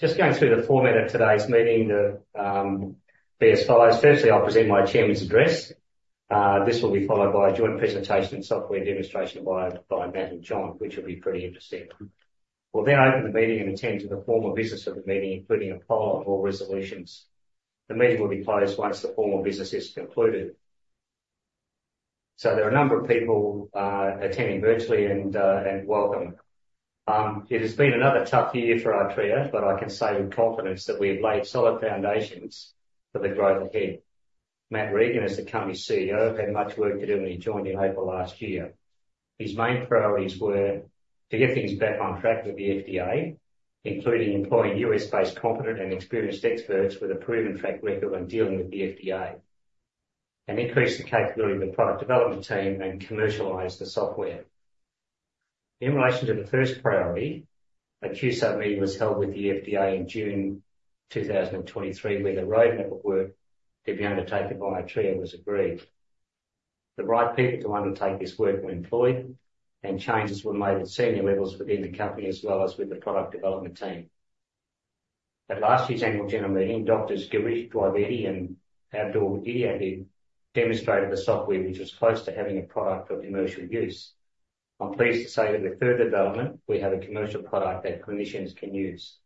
Just going through the format of today's meeting, it'll be as follows. Firstly, I'll present my chairman's address. This will be followed by a joint presentation and software demonstration by Matt and John, which will be pretty interesting. We'll then open the meeting and attend to the formal business of the meeting, including a poll on all resolutions. The meeting will be closed once the formal business is concluded. So there are a number of people attending virtually, and welcome. It has been another tough year for Artrya, but I can say with confidence that we have laid solid foundations for the growth ahead. Matt Regan, as the company's CEO, had much work to do when he joined in April last year. His main priorities were to get things back on track with the FDA, including employing US-based competent and experienced experts with a proven track record when dealing with the FDA, and increase the capability of the product development team and commercialize the software. In relation to the first priority, a Q-Sub meeting was held with the FDA in June 2023, where the roadmap of work to be undertaken by Artrya was agreed. The right people to undertake this work were employed, and changes were made at senior levels within the company as well as with the product development team. At last year's annual general meeting, Drs. Girish Dwivedi and Abdul Ihdayhid demonstrated the software, which was close to having a product of commercial use. I'm pleased to say that with further development, we have a commercial product that clinicians can use,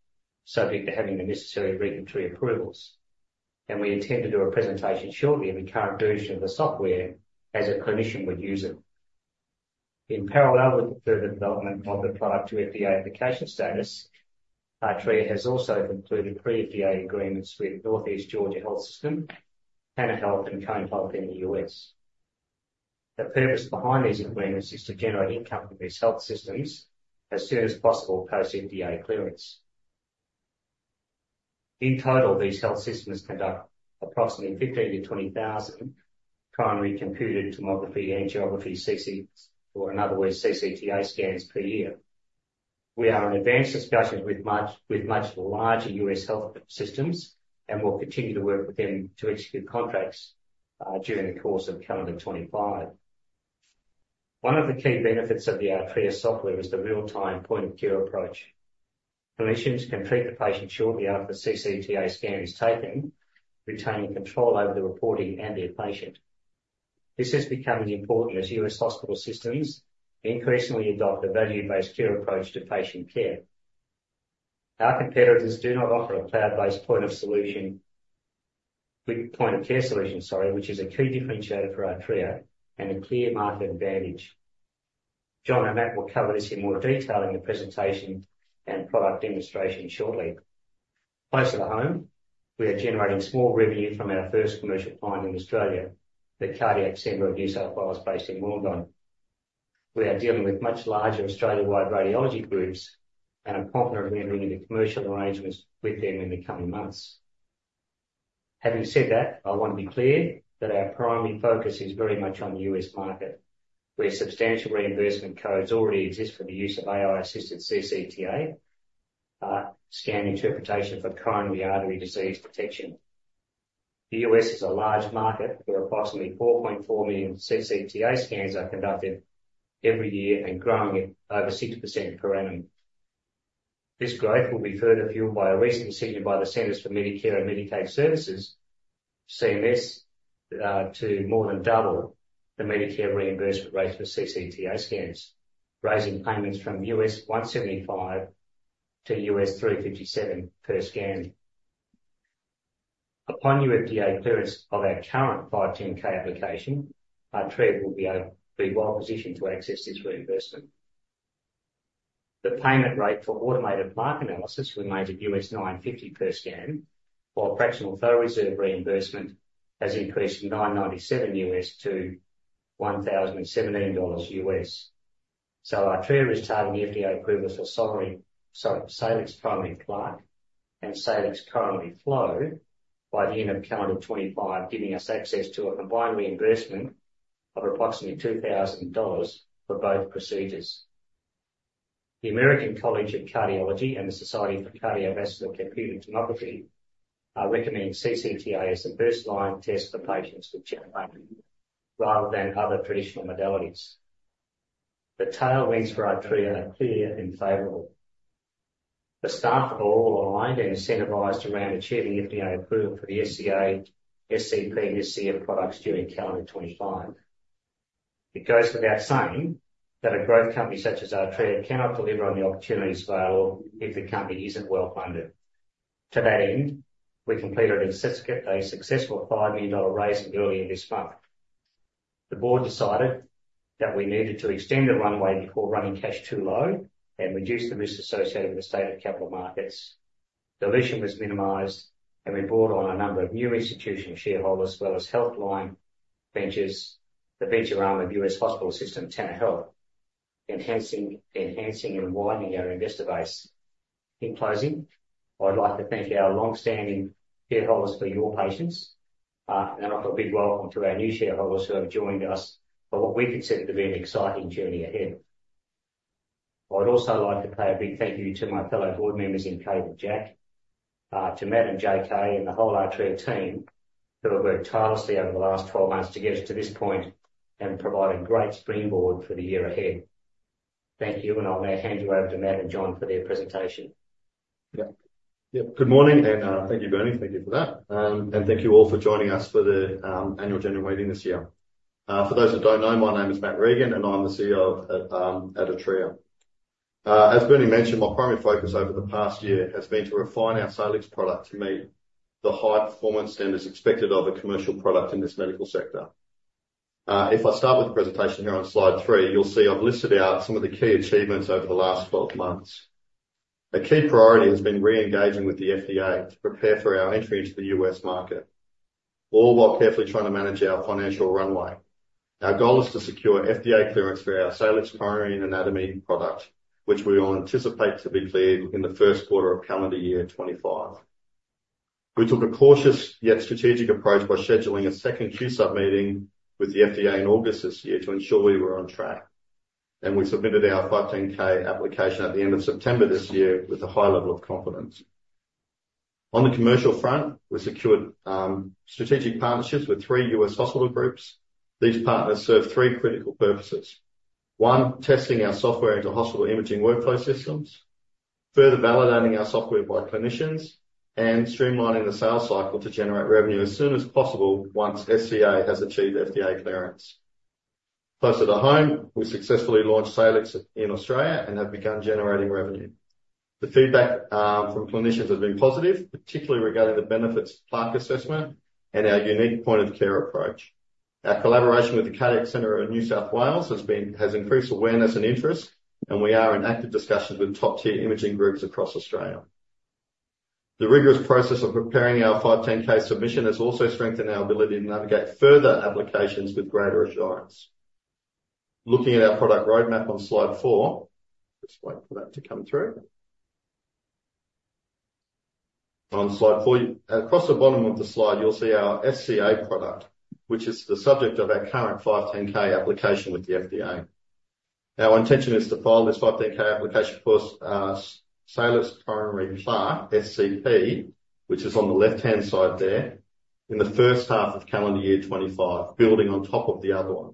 subject to having the necessary regulatory approvals. We intend to do a presentation shortly of the current version of the software as a clinician would use it. In parallel with the further development of the product to FDA application status, Artrya has also concluded pre-FDA agreements with Northeast Georgia Health System, Tanner Health, and Cone Health in the U.S. The purpose behind these agreements is to generate income for these health systems as soon as possible post-FDA clearance. In total, these health systems conduct approximately 15,000-20,000 coronary computed tomography angiography CCTs, or in other words, CCTA scans per year. We are in advanced discussions with much larger U.S. health systems and will continue to work with them to execute contracts during the course of calendar 2025. One of the key benefits of the Artrya software is the real-time point of care approach. Clinicians can treat the patient shortly after the CCTA scan is taken, retaining control over the reporting and their patient. This has become as important as U.S. hospital systems increasingly adopt a value-based care approach to patient care. Our competitors do not offer a cloud-based point of solution, point of care solution, sorry, which is a key differentiator for Artrya and a clear market advantage. John and Matt will cover this in more detail in the presentation and product demonstration shortly. Close to the home, we are generating small revenue from our first commercial client in Australia, the Cardiac Centre of New South Wales based in Wollongong. We are dealing with much larger Australia-wide radiology groups and are confident in the commercial arrangements with them in the coming months. Having said that, I want to be clear that our primary focus is very much on the US market, where substantial reimbursement codes already exist for the use of AI-assisted CCTA scan interpretation for coronary artery disease detection. The US is a large market where approximately 4.4 million CCTA scans are conducted every year and growing at over 6% per annum. This growth will be further fueled by a recent decision by the Centers for Medicare & Medicaid Services (CMS) to more than double the Medicare reimbursement rate for CCTA scans, raising payments from $175 to $357 per scan. Upon FDA clearance of our current 510(k) application, Artrya will be well positioned to access this reimbursement. The payment rate for automated plaque analysis remains at $950 per scan, while fractional flow reserve reimbursement has increased from $997 to $1,017. Artrya is targeting FDA approval for Salix Coronary Anatomy and Salix Coronary Flow by the end of calendar 2025, giving us access to a combined reimbursement of approximately $2,000 for both procedures. The American College of Cardiology and the Society of Cardiovascular Computed Tomography are recommending CCTA as a first-line test for patients with chest pain rather than other traditional modalities. The tailwinds for Artrya are clear and favorable. The staff are all aligned and incentivized around achieving FDA approval for the SCA, SCP, and SCF products during calendar 2025. It goes without saying that a growth company such as Artrya cannot deliver on the opportunities available if the company isn't well funded. To that end, we completed a successful 5 million dollar raise in early this month. The Board decided that we needed to extend the runway before running cash too low and reduce the risk associated with the state of capital markets. The raising was minimised, and we brought on a number of new institutional shareholders as well as HealthLiant Ventures, the venture arm of U.S. hospital system, Tanner Health System, enhancing and widening our investor base. In closing, I'd like to thank our long-standing shareholders for your patience and offer a big welcome to our new shareholders who have joined us for what we consider to be an exciting journey ahead. I'd also like to pay a big thank you to my fellow Board members Bernie and Jacques, to Matt and JK, and the whole Artrya team who have worked tirelessly over the last 12 months to get us to this point and provide a great springboard for the year ahead. Thank you, and I'll now hand you over to Matt and John for their presentation. Yeah, good morning, and thank you, Bernie. Thank you for that. And thank you all for joining us for the annual general meeting this year. For those who don't know, my name is Matt Regan, and I'm the CEO at Artrya. As Bernie mentioned, my primary focus over the past year has been to refine our Salix product to meet the high performance standards expected of a commercial product in this medical sector. If I start with the presentation here on slide three, you'll see I've listed out some of the key achievements over the last 12 months. A key priority has been re-engaging with the FDA to prepare for our entry into the US market, all while carefully trying to manage our financial runway. Our goal is to secure FDA clearance for our Salix Coronary Anatomy product, which we all anticipate to be cleared in the first quarter of calendar year 2025. We took a cautious yet strategic approach by scheduling a second Q-Sub meeting with the FDA in August this year to ensure we were on track. We submitted our 510(k) application at the end of September this year with a high level of confidence. On the commercial front, we secured strategic partnerships with three U.S. hospital groups. These partners serve three critical purposes: one, testing our software into hospital imaging workflow systems; two, further validating our software by clinicians; and three, streamlining the sales cycle to generate revenue as soon as possible once SCA has achieved FDA clearance. Close to the home, we successfully launched Salix in Australia and have begun generating revenue. The feedback from clinicians has been positive, particularly regarding the benefits of plaque assessment and our unique point of care approach. Our collaboration with the Cardiac Centre of New South Wales has increased awareness and interest, and we are in active discussions with top-tier imaging groups across Australia. The rigorous process of preparing our 510(k) submission has also strengthened our ability to navigate further applications with greater assurance. Looking at our product roadmap on slide four, just wait for that to come through. On slide four, across the bottom of the slide, you'll see our SCA product, which is the subject of our current 510(k) application with the FDA. Our intention is to follow this 510(k) application for Salix Coronary Plaque, SCP, which is on the left-hand side there, in the first half of calendar year 2025, building on top of the other one.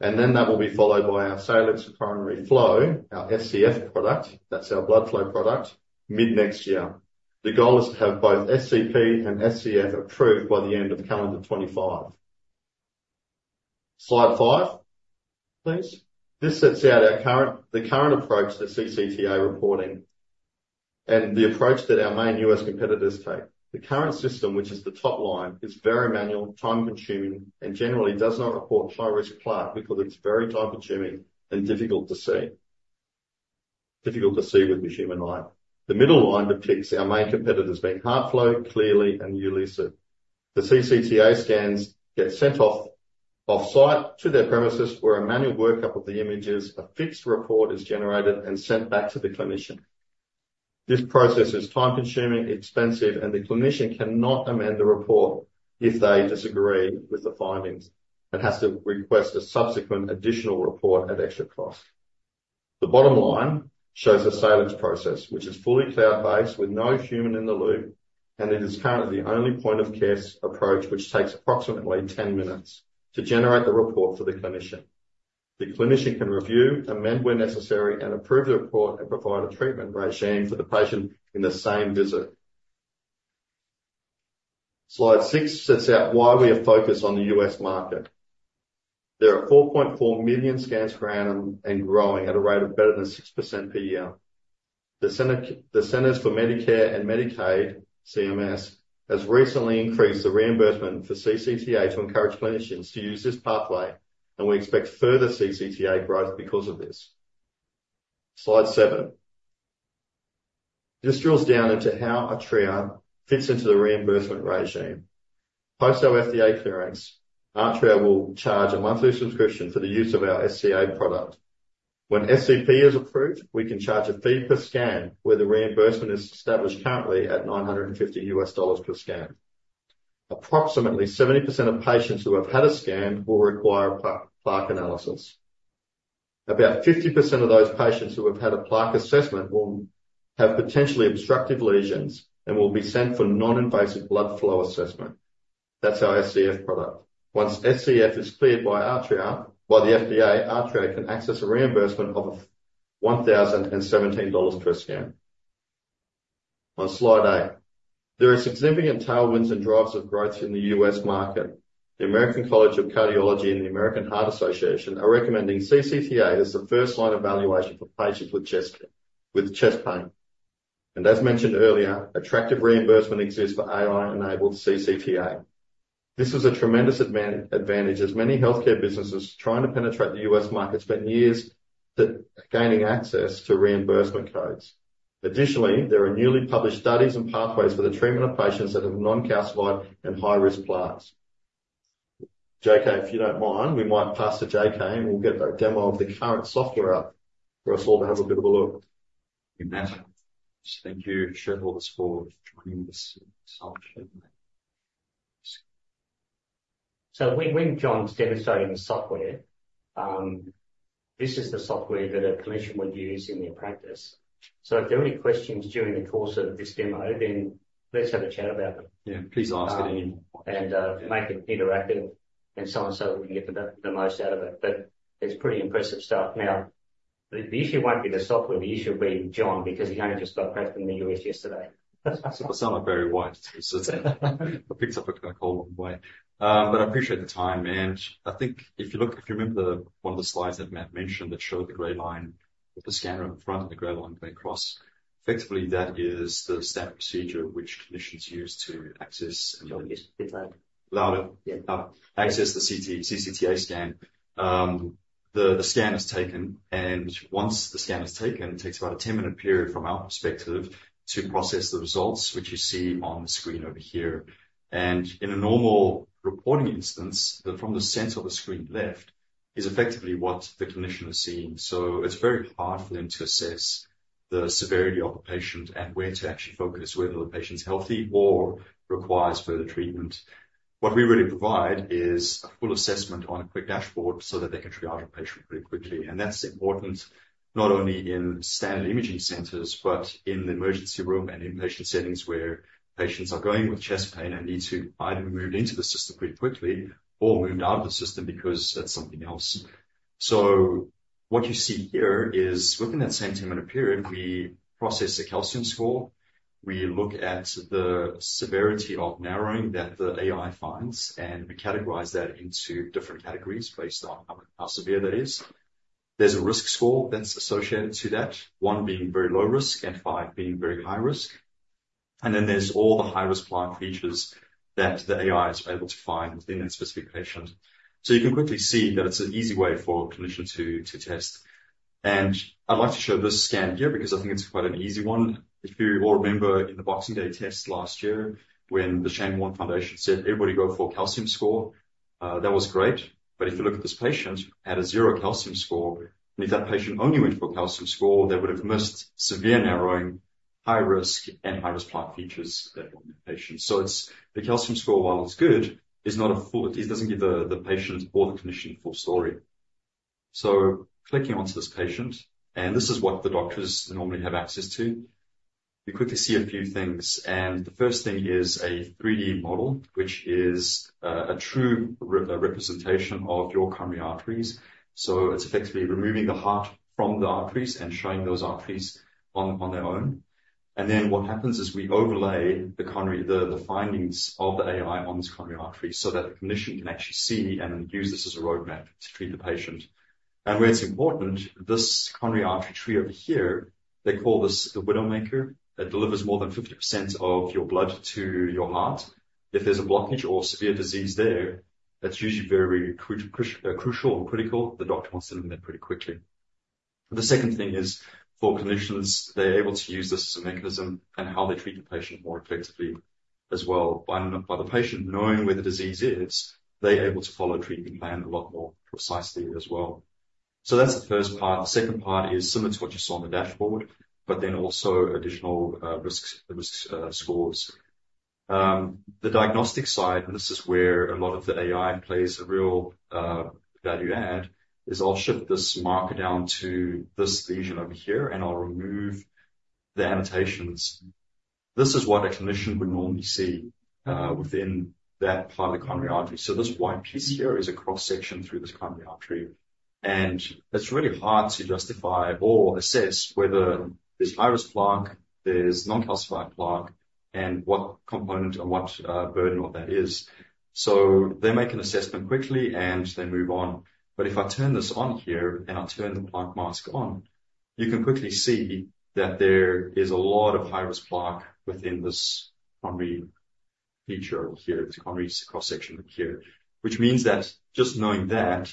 And then that will be followed by our Salix Coronary Flow, our SCF product, that's our blood flow product, mid next year. The goal is to have both SCP and SCF approved by the end of calendar 2025. Slide five, please. This sets out the current approach to CCTA reporting and the approach that our main U.S. competitors take. The current system, which is the top line, is very manual, time-consuming, and generally does not report high-risk plaque because it's very time-consuming and difficult to see, difficult to see with the human eye. The middle line depicts our main competitors being HeartFlow, Cleerly, and Elucid. The CCTA scans get sent off-site to their premises where a manual workup of the images, a fixed report is generated and sent back to the clinician. This process is time-consuming, expensive, and the clinician cannot amend the report if they disagree with the findings. It has to request a subsequent additional report at extra cost. The bottom line shows the Salix process, which is fully cloud-based with no human in the loop, and it is currently the only point of care approach which takes approximately 10 minutes to generate the report for the clinician. The clinician can review, amend where necessary, and approve the report and provide a treatment regimen for the patient in the same visit. Slide six sets out why we are focused on the U.S. market. There are 4.4 million scans per annum and growing at a rate of better than 6% per year. The Centers for Medicare & Medicaid Services (CMS) has recently increased the reimbursement for CCTA to encourage clinicians to use this pathway, and we expect further CCTA growth because of this. Slide seven. This drills down into how Artrya fits into the reimbursement regime. Post our FDA clearance, Artrya will charge a monthly subscription for the use of our SCA product. When SCP is approved, we can charge a fee per scan where the reimbursement is established currently at $950 per scan. Approximately 70% of patients who have had a scan will require plaque analysis. About 50% of those patients who have had a plaque assessment will have potentially obstructive lesions and will be sent for non-invasive blood flow assessment. That's our SCF product. Once SCF is cleared by Artrya, by the FDA, Artrya can access a reimbursement of $1,017 per scan. On slide eight, there are significant tailwinds and drives of growth in the U.S. market. The American College of Cardiology and the American Heart Association are recommending CCTA as the first line of evaluation for patients with chest pain, and as mentioned earlier, attractive reimbursement exists for AI-enabled CCTA. This is a tremendous advantage as many healthcare businesses trying to penetrate the U.S. market spent years gaining access to reimbursement codes. Additionally, there are newly published studies and pathways for the treatment of patients that have non-calcified and high-risk plaques. JK, if you don't mind, we might pass to JK and we'll get a demo of the current software up for us all to have a bit of a look. Thank you, shareholders, for joining this session. So when John's demonstrating the software, this is the software that a clinician would use in their practice. So if there are any questions during the course of this demo, then let's have a chat about it. Yeah, please ask it anyway. Make it interactive and so on and so on so we can get the most out of it. But it's pretty impressive stuff. Now, the issue won't be the software. The issue will be John because he only just got back from the U.S. yesterday. So I sound like very wise. I picked up a call one day. But I appreciate the time. I think if you look, if you remember one of the slides that Matt mentioned that showed the gray line with the scanner in the front and the gray line going across, effectively that is the standard procedure which clinicians use to assess. Louder. Louder. Yeah. Access the CCTA scan. The scan is taken, and once the scan is taken, it takes about a 10-minute period from our perspective to process the results, which you see on the screen over here. In a normal reporting instance, from the center of the screen left is effectively what the clinician is seeing. So it's very hard for them to assess the severity of the patient and where to actually focus, whether the patient's healthy or requires further treatment. What we really provide is a full assessment on a quick dashboard so that they can triage a patient pretty quickly. That's important not only in standard imaging centers, but in the emergency room and inpatient settings where patients are going with chest pain and need to either be moved into the system pretty quickly or moved out of the system because that's something else. So what you see here is within that same 10-minute period, we process the calcium score. We look at the severity of narrowing that the AI finds, and we categorize that into different categories based on how severe that is. There's a risk score that's associated to that, one being very low risk and five being very high risk. And then there's all the high-risk plaque features that the AI is able to find within that specific patient. So you can quickly see that it's an easy way for a clinician to test. And I'd like to show this scan here because I think it's quite an easy one. If you all remember in the Boxing Day test last year when the Shane Warne Foundation said, "Everybody go for calcium score," that was great. But if you look at this patient who had a zero calcium score, and if that patient only went for a calcium score, they would have missed severe narrowing, high-risk plaque features that patient. So the calcium score, while it's good, is not a full. It doesn't give the patient or the clinician a full story. So clicking onto this patient, and this is what the doctors normally have access to, you quickly see a few things. And the first thing is a 3D model, which is a true representation of your coronary arteries. So it's effectively removing the heart from the arteries and showing those arteries on their own. And then what happens is we overlay the findings of the AI on this coronary artery so that the clinician can actually see and use this as a roadmap to treat the patient. Where it's important, this coronary artery tree over here, they call this the widowmaker. It delivers more than 50% of your blood to your heart. If there's a blockage or severe disease there, that's usually very crucial or critical. The doctor wants to remove it pretty quickly. The second thing is for clinicians, they're able to use this as a mechanism and how they treat the patient more effectively as well. By the patient knowing where the disease is, they're able to follow a treatment plan a lot more precisely as well. That's the first part. The second part is similar to what you saw on the dashboard, but then also additional risk scores. The diagnostic side, and this is where a lot of the AI plays a real value add, is I'll shift this marker down to this lesion over here, and I'll remove the annotations. This is what a clinician would normally see within that part of the coronary artery, so this white piece here is a cross-section through this coronary artery, and it's really hard to justify or assess whether there's high-risk plaque, there's non-calcified plaque, and what component and what burden of that is. So they make an assessment quickly, and they move on, but if I turn this on here and I turn the plaque mask on, you can quickly see that there is a lot of high-risk plaque within this coronary feature over here, this coronary cross-section here, which means that just knowing that,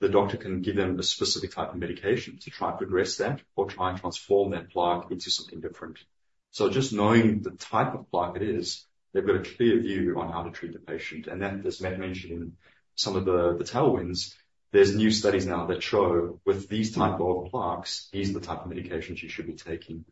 the doctor can give them a specific type of medication to try and progress that or try and transform that plaque into something different, so just knowing the type of plaque it is, they've got a clear view on how to treat the patient. And as Matt mentioned in some of the tailwinds, there's new studies now that show with these types of plaques, these are the types of medications you should be taking.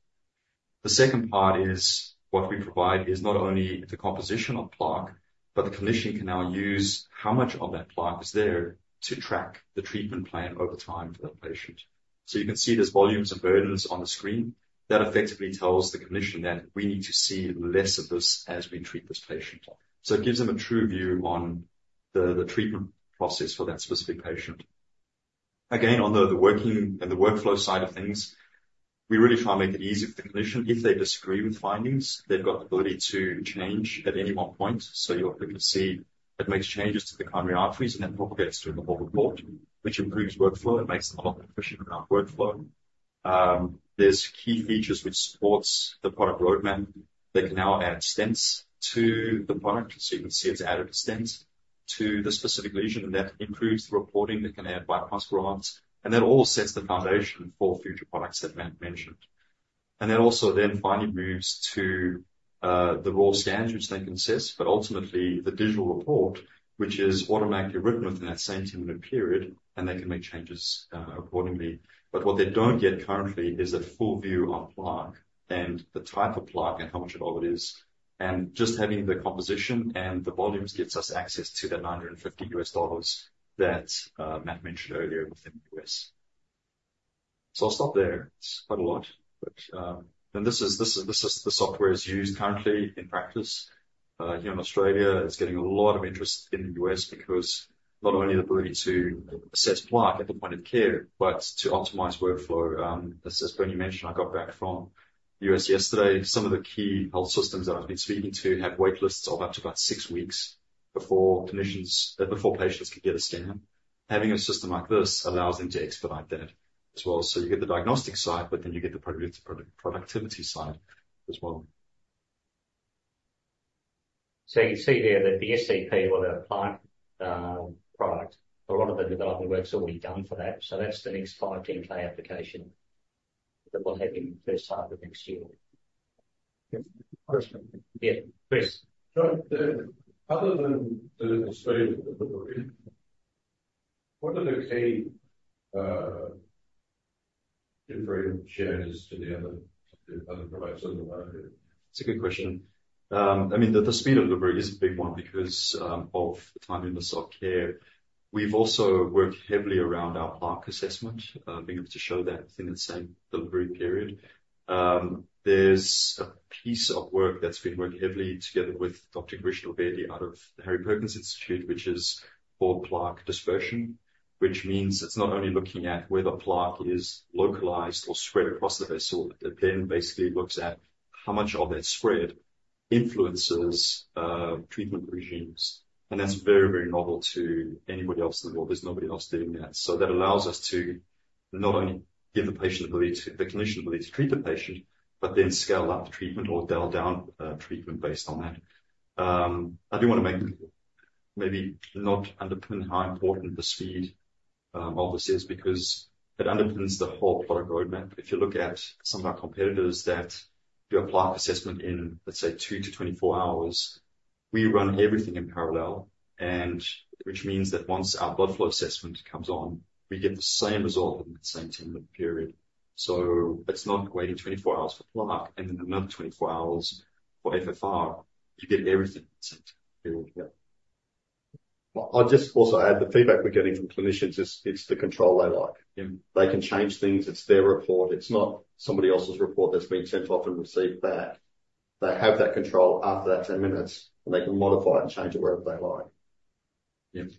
The second part is what we provide is not only the composition of plaque, but the clinician can now use how much of that plaque is there to track the treatment plan over time for the patient. So you can see there's volumes and burdens on the screen. That effectively tells the clinician that we need to see less of this as we treat this patient. So it gives them a true view on the treatment process for that specific patient. Again, on the working and the workflow side of things, we really try and make it easy for the clinician. If they disagree with findings, they've got the ability to change at any one point. You'll quickly see it makes changes to the coronary arteries and then propagates to the whole report, which improves workflow. It makes them a lot more efficient around workflow. There's key features which support the product roadmap. They can now add stents to the product. You can see it's added a stent to the specific lesion, and that improves the reporting. They can add bypass grafts, and that all sets the foundation for future products that Matt mentioned. That also then finally moves to the raw scans, which they can assess, but ultimately the digital report, which is automatically written within that same 10-minute period, and they can make changes accordingly. What they don't get currently is a full view on plaque and the type of plaque and how much of it is. Just having the composition and the volumes gives us access to that $950 US dollars that Matt mentioned earlier within the US. I'll stop there. It's quite a lot. This is the software that's used currently in practice here in Australia. It's getting a lot of interest in the US because not only the ability to assess plaque at the point of care, but to optimize workflow. As Bernie mentioned, I got back from the US yesterday. Some of the key health systems that I've been speaking to have waitlists of up to about six weeks before patients can get a scan. Having a system like this allows them to expedite that as well. You get the diagnostic side, but then you get the productivity side as well. So, you can see there that the SCP, or the plaque product, a lot of the development work's already done for that. So, that's the next 510(k) application that we'll have in the first half of next year. Yeah, Chris. Other than the speed of delivery, what are the key different changes to the other products on the market? That's a good question. I mean, the speed of delivery is a big one because of the time in the point of care. We've also worked heavily around our plaque assessment, being able to show that within that same delivery period. There's a piece of work that's been worked heavily together with Dr. Girish Dwivedi out of the Harry Perkins Institute, which is called plaque dispersion, which means it's not only looking at whether plaque is localized or spread across the vessel, it then basically looks at how much of that spread influences treatment regimens. And that's very, very novel to anybody else in the world. There's nobody else doing that. So that allows us to not only give the patient the ability to, the clinician's ability to treat the patient, but then scale up treatment or dial down treatment based on that. I do want to make maybe not underpin how important the speed of this is because it underpins the whole product roadmap. If you look at some of our competitors that do a plaque assessment in, let's say, 2-24 hours, we run everything in parallel, which means that once our blood flow assessment comes on, we get the same result in that same 10-minute period. So it's not waiting 24 hours for plaque and then another 24 hours for FFR. You get everything in the same 10-minute period. Yeah. I'll just also add the feedback we're getting from clinicians. It's the control they like. They can change things. It's their report. It's not somebody else's report that's been sent off and received back. They have that control after that 10 minutes, and they can modify it and change it wherever they like.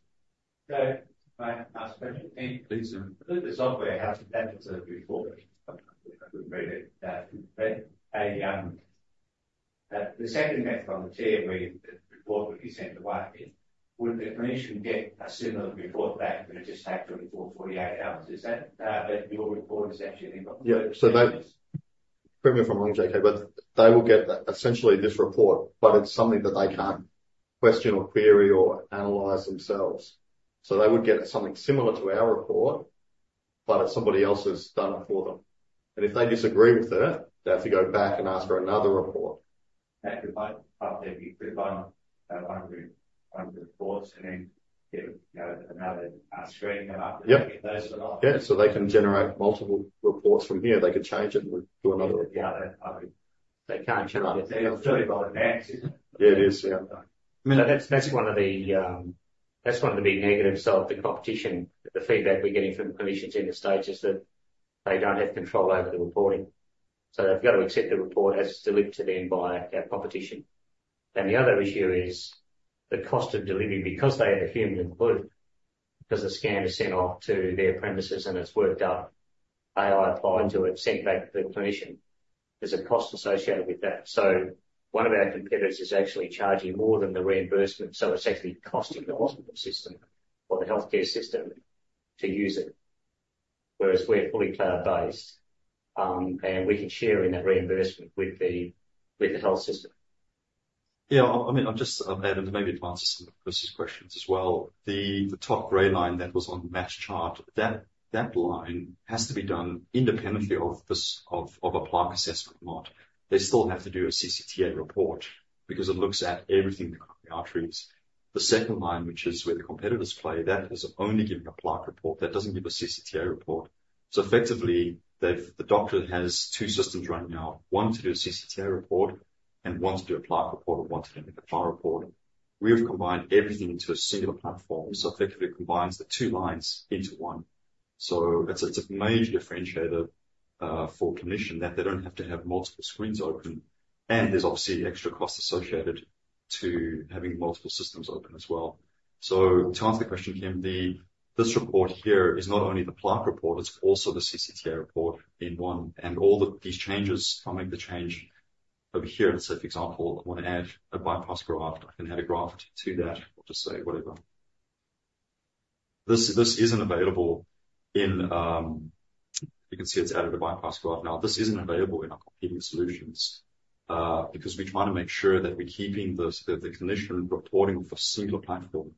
Okay. Last question. Please. The software has adapted to the report. The second method on the TME report that you sent away, would the clinician get a similar report back? They just had 24, 48 hours. Is that your report is actually in the office? Yeah. So that, forgive me if I'm wrong, JK, but they will get essentially this report, but it's something that they can't question or query or analyze themselves. So they would get something similar to our report, but it's somebody else's done it for them. And if they disagree with it, they have to go back and ask for another report. They could update the 100 reports and then get another screen and update those as well. Yeah. So they can generate multiple reports from here. They could change it to another report. They can't change it. They're fully volunteers. Yeah, it is. Yeah. I mean, that's one of the big negatives of the competition. The feedback we're getting from clinicians in this stage is that they don't have control over the reporting. So they've got to accept the report as it's delivered to them by our competition. And the other issue is the cost of delivery because they had assumed it would, because the scan is sent off to their premises and it's worked up, AI applied to it, sent back to the clinician. There's a cost associated with that. So one of our competitors is actually charging more than the reimbursement. So it's actually costing the hospital system or the healthcare system to use it, whereas we're fully cloud-based and we can share in that reimbursement with the health system. Yeah. I mean, I'll just add, and maybe to answer some of Chris's questions as well. The top gray line that was on Matt's chart, that line has to be done independently of a plaque assessment mod. They still have to do a CCTA report because it looks at everything in the coronary arteries. The second line, which is where the competitors play, that is only giving a plaque report. That doesn't give a CCTA report. So effectively, the doctor has two systems running now, one to do a CCTA report and one to do a plaque report and one to do an FFR report. We have combined everything into a single platform. So effectively, it combines the two lines into one. So it's a major differentiator for clinicians that they don't have to have multiple screens open. There's obviously extra cost associated to having multiple systems open as well. To answer the question, Kim, this report here is not only the plaque report, it's also the CCTA report in one. All of these changes, if I make the change over here, let's say, for example, I want to add a bypass graft, I can add a graft to that or just say whatever. This isn't available in, you can see it's added a bypass graft. Now, this isn't available in our competing solutions because we're trying to make sure that we're keeping the clinician reporting for a single platform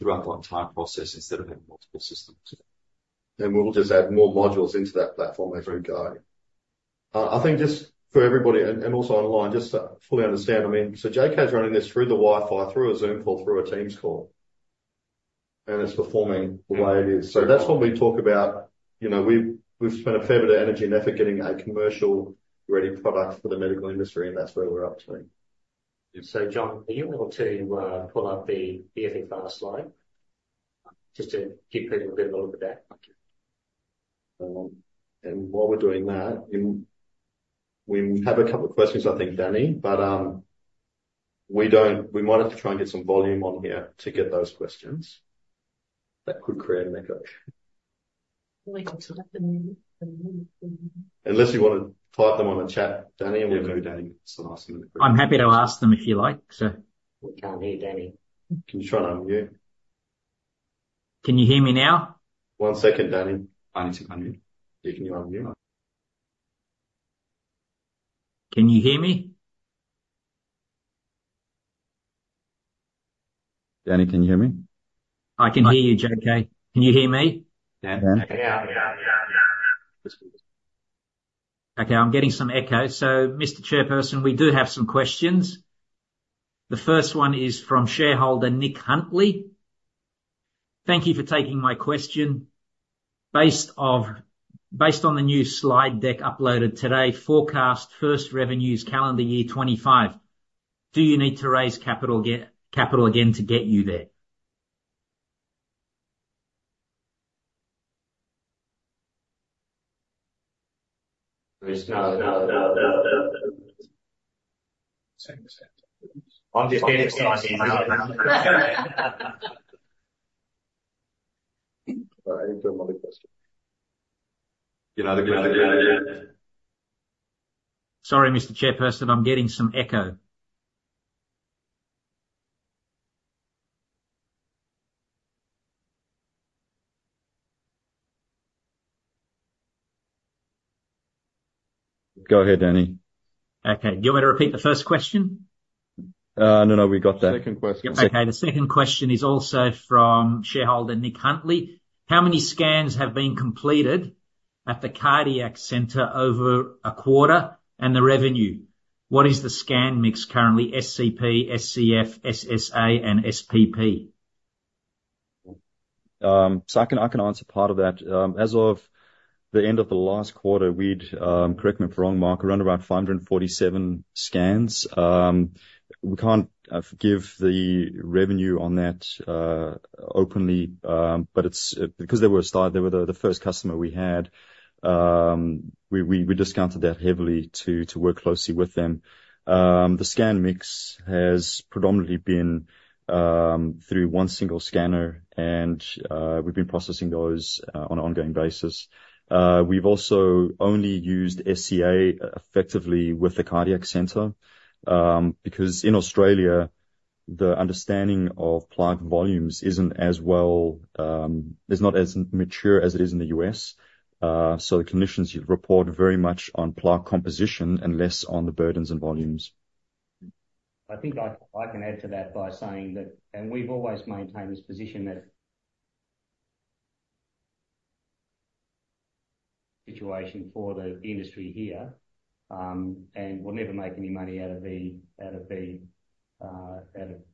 throughout the entire process instead of having multiple systems. And we'll just add more modules into that platform over in Go. I think just for everybody and also online, just to fully understand, I mean, so JK's running this through the Wi-Fi, through a Zoom call, through a Teams call, and it's performing the way it is. So that's what we talk about. We've spent a fair bit of energy and effort getting a commercial-ready product for the medical industry, and that's where we're up to. So John, are you able to pull up the FFR slide just to give people a bit of a look at that? While we're doing that, we have a couple of questions, I think, Danny, but we might have to try and get some volume on here to get those questions. That could create an echo. Unless you want to type them on the chat, Danny, and we'll give Danny some last minute questions. I'm happy to ask them if you like, so. We can't hear Danny. Can you try to unmute? Can you hear me now? One second, Danny. I need to unmute. Yeah, can you unmute? Can you hear me? Danny, can you hear me? I can hear you, JK. Can you hear me? Yeah. Mr. Chairperson, we do have some questions. The first one is from shareholder Nick Huntley. Thank you for taking my question. Based on the new slide deck uploaded today, forecast first revenues calendar year 2025, do you need to raise capital again to get you there? I'm just getting excited. Sorry, I didn't do a multiple question. Sorry, Mr. Chairperson, I'm getting some echo. Go ahead, Danny. Okay. Do you want me to repeat the first question? No, no, we got that. Second question. Okay. The second question is also from shareholder Nick Huntley. How many scans have been completed at the Cardiac Centre over a quarter and the revenue? What is the scan mix currently? SCP, SCF, SCA, and SCP? So I can answer part of that. As of the end of the last quarter, we'd, correct me if I'm wrong, Mark, around about 547 scans. We can't give the revenue on that openly, but because they were the first customer we had, we discounted that heavily to work closely with them. The scan mix has predominantly been through one single scanner, and we've been processing those on an ongoing basis. We've also only used SCA effectively with the Cardiac Centre because in Australia, the understanding of plaque volumes isn't as well, it's not as mature as it is in the U.S. So the clinicians report very much on plaque composition and less on the burdens and volumes. I think I can add to that by saying that, and we've always maintained this position that situation for the industry here, and we'll never make any money out of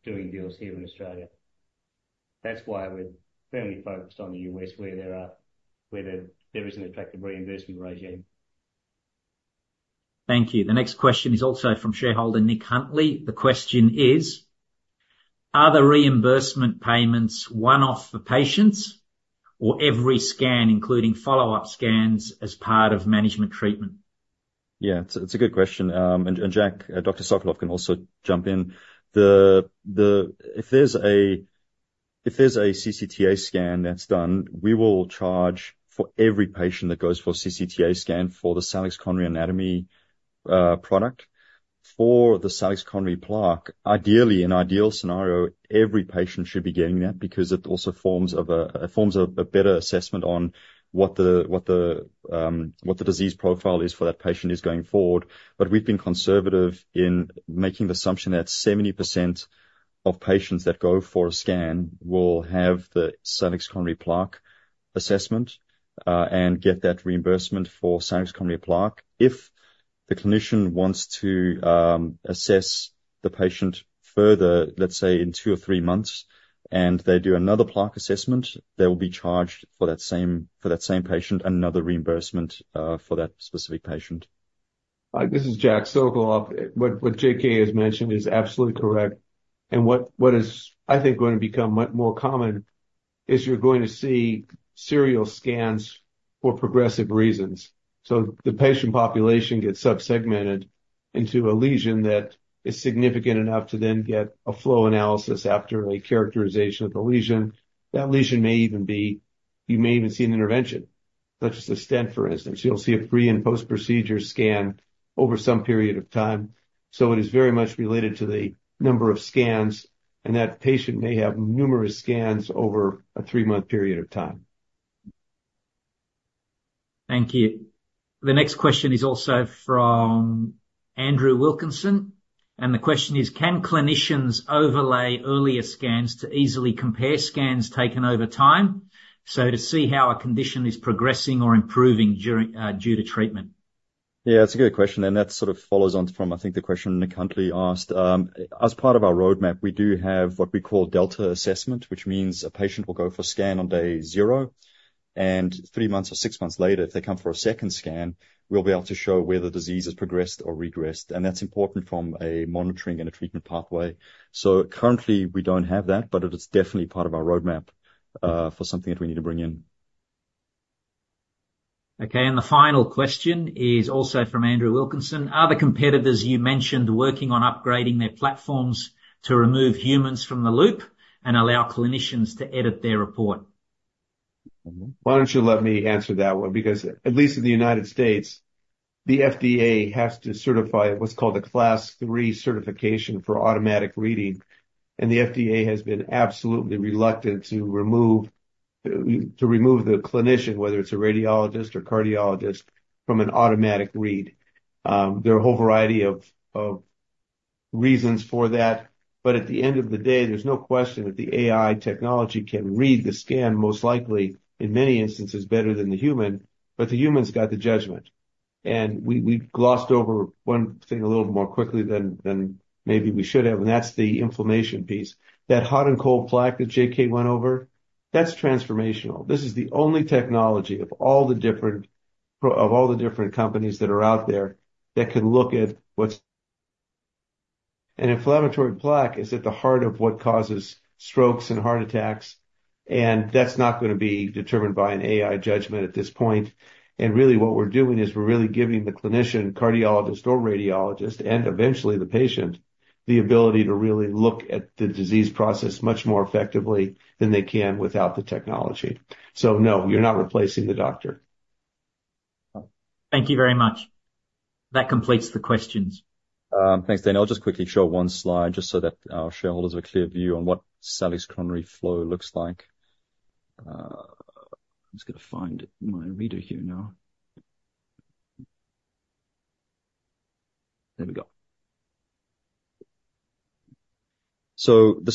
doing deals here in Australia. That's why we're firmly focused on the U.S., where there is an attractive reimbursement regime. Thank you. The next question is also from shareholder Nick Huntley. The question is, are the reimbursement payments one-off for patients or every scan, including follow-up scans, as part of management treatment? Yeah, it's a good question, and Jack, Dr. Sokolov can also jump in. If there's a CCTA scan that's done, we will charge for every patient that goes for a CCTA scan for the Salix Coronary Anatomy product. For the Salix Coronary Plaque, ideally, in an ideal scenario, every patient should be getting that because it also forms a better assessment on what the disease profile is for that patient going forward, but we've been conservative in making the assumption that 70% of patients that go for a scan will have the Salix Coronary Plaque assessment and get that reimbursement for Salix Coronary Plaque. If the clinician wants to assess the patient further, let's say in two or three months, and they do another plaque assessment, they will be charged for that same patient another reimbursement for that specific patient. This is Jacques Sokolov. What JK has mentioned is absolutely correct, and what is, I think, going to become more common is you're going to see serial scans for progressive reasons, so the patient population gets subsegmented into a lesion that is significant enough to then get a flow analysis after a characterization of the lesion. That lesion may even be, you may even see an intervention, such as a stent, for instance. You'll see a pre- and post-procedure scan over some period of time. So it is very much related to the number of scans, and that patient may have numerous scans over a three-month period of time. Thank you. The next question is also from Andrew Wilkinson. And the question is, can clinicians overlay earlier scans to easily compare scans taken over time, so to see how a condition is progressing or improving due to treatment? Yeah, that's a good question and that sort of follows on from, I think, the question Nick Huntley asked. As part of our roadmap, we do have what we call delta assessment, which means a patient will go for a scan on day zero and three months or six months later, if they come for a second scan, we'll be able to show whether the disease has progressed or regressed and that's important from a monitoring and a treatment pathway so currently, we don't have that, but it is definitely part of our roadmap for something that we need to bring in. Okay. And the final question is also from Andrew Wilkinson. Are the competitors you mentioned working on upgrading their platforms to remove humans from the loop and allow clinicians to edit their report? Why don't you let me answer that one? Because at least in the United States, the FDA has to certify what's called a Class 3 certification for automatic reading. And the FDA has been absolutely reluctant to remove the clinician, whether it's a radiologist or cardiologist, from an automatic read. There are a whole variety of reasons for that. But at the end of the day, there's no question that the AI technology can read the scan, most likely, in many instances, better than the human. But the human's got the judgment. And we glossed over one thing a little more quickly than maybe we should have, and that's the inflammation piece. That hot and cold plaque that JK went over, that's transformational. This is the only technology of all the different companies that are out there that can look at what an inflammatory plaque is at the heart of what causes strokes and heart attacks. And that's not going to be determined by an AI judgment at this point. And really, what we're doing is we're really giving the clinician, cardiologist, or radiologist, and eventually the patient, the ability to really look at the disease process much more effectively than they can without the technology. So no, you're not replacing the doctor. Thank you very much. That completes the questions. Thanks, Daniel. I'll just quickly show one slide just so that our shareholders have a clear view on what Salix Coronary Flow looks like. I'm just going to find my remote here now. There we go, so the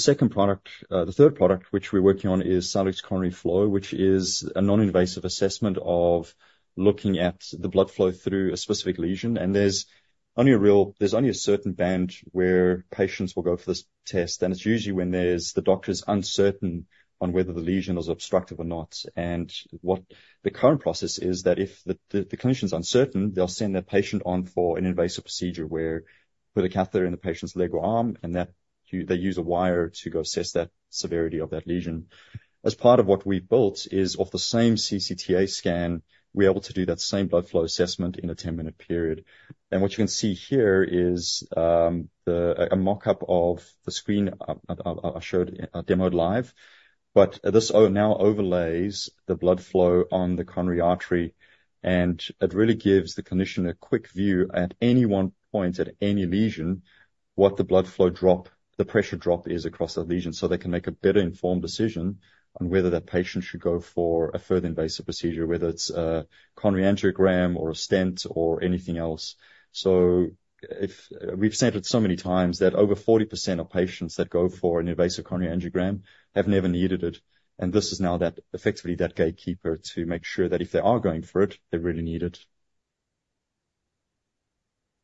third product which we're working on is Salix Coronary Flow, which is a non-invasive assessment of looking at the blood flow through a specific lesion, and there's only a certain band where patients will go for this test, and it's usually when the doctor's uncertain on whether the lesion is obstructive or not, and the current process is that if the clinician's uncertain, they'll send their patient on for an invasive procedure where they put a catheter in the patient's leg or arm, and they use a wire to go assess the severity of that lesion. As part of what we've built is, of the same CCTA scan, we're able to do that same blood flow assessment in a 10-minute period, and what you can see here is a mock-up of the screen I demoed live, but this now overlays the blood flow on the coronary artery, and it really gives the clinician a quick view at any one point, at any lesion, what the blood flow drop, the pressure drop is across that lesion so they can make a better-informed decision on whether that patient should go for a further invasive procedure, whether it's a coronary angiogram or a stent or anything else, so we've said it so many times that over 40% of patients that go for an invasive coronary angiogram have never needed it. This is now effectively that gatekeeper to make sure that if they are going for it, they really need it.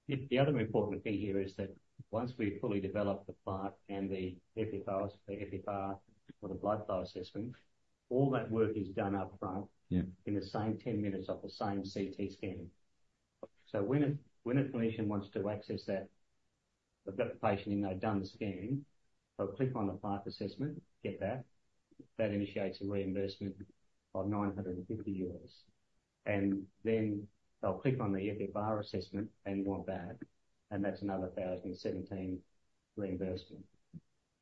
The other important thing here is that once we fully develop the plaque and the FFR or the blood flow assessment, all that work is done upfront in the same 10 minutes of the same CT scan. So when a clinician wants to access that, they've got the patient in there, done the scan. They'll click on the plaque assessment, get that. That initiates a reimbursement of $950. And then they'll click on the FFR assessment and want that. And that's another $1,017 reimbursement.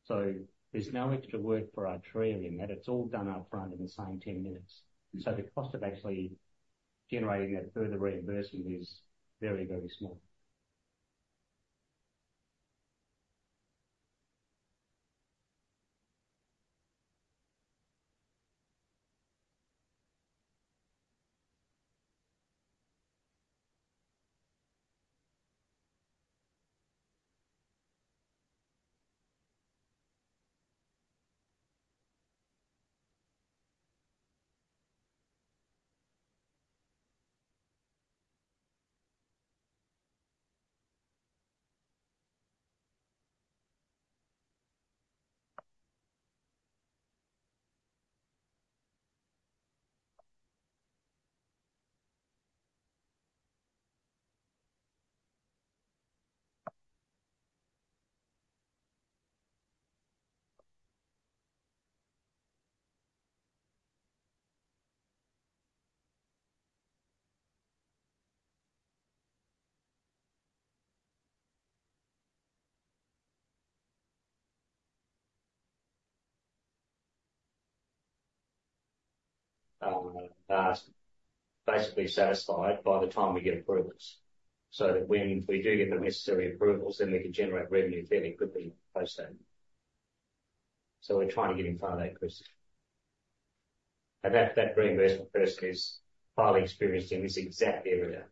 So there's no extra work for Artrya in that. It's all done upfront in the same 10 minutes. So the cost of actually generating that further reimbursement is very, very small. And that's basically satisfied by the time we get approvals. So that when we do get the necessary approvals, then we can generate revenue fairly quickly post-op. So we're trying to get in front of that crisis. And that reimbursement person is highly experienced in this exact area.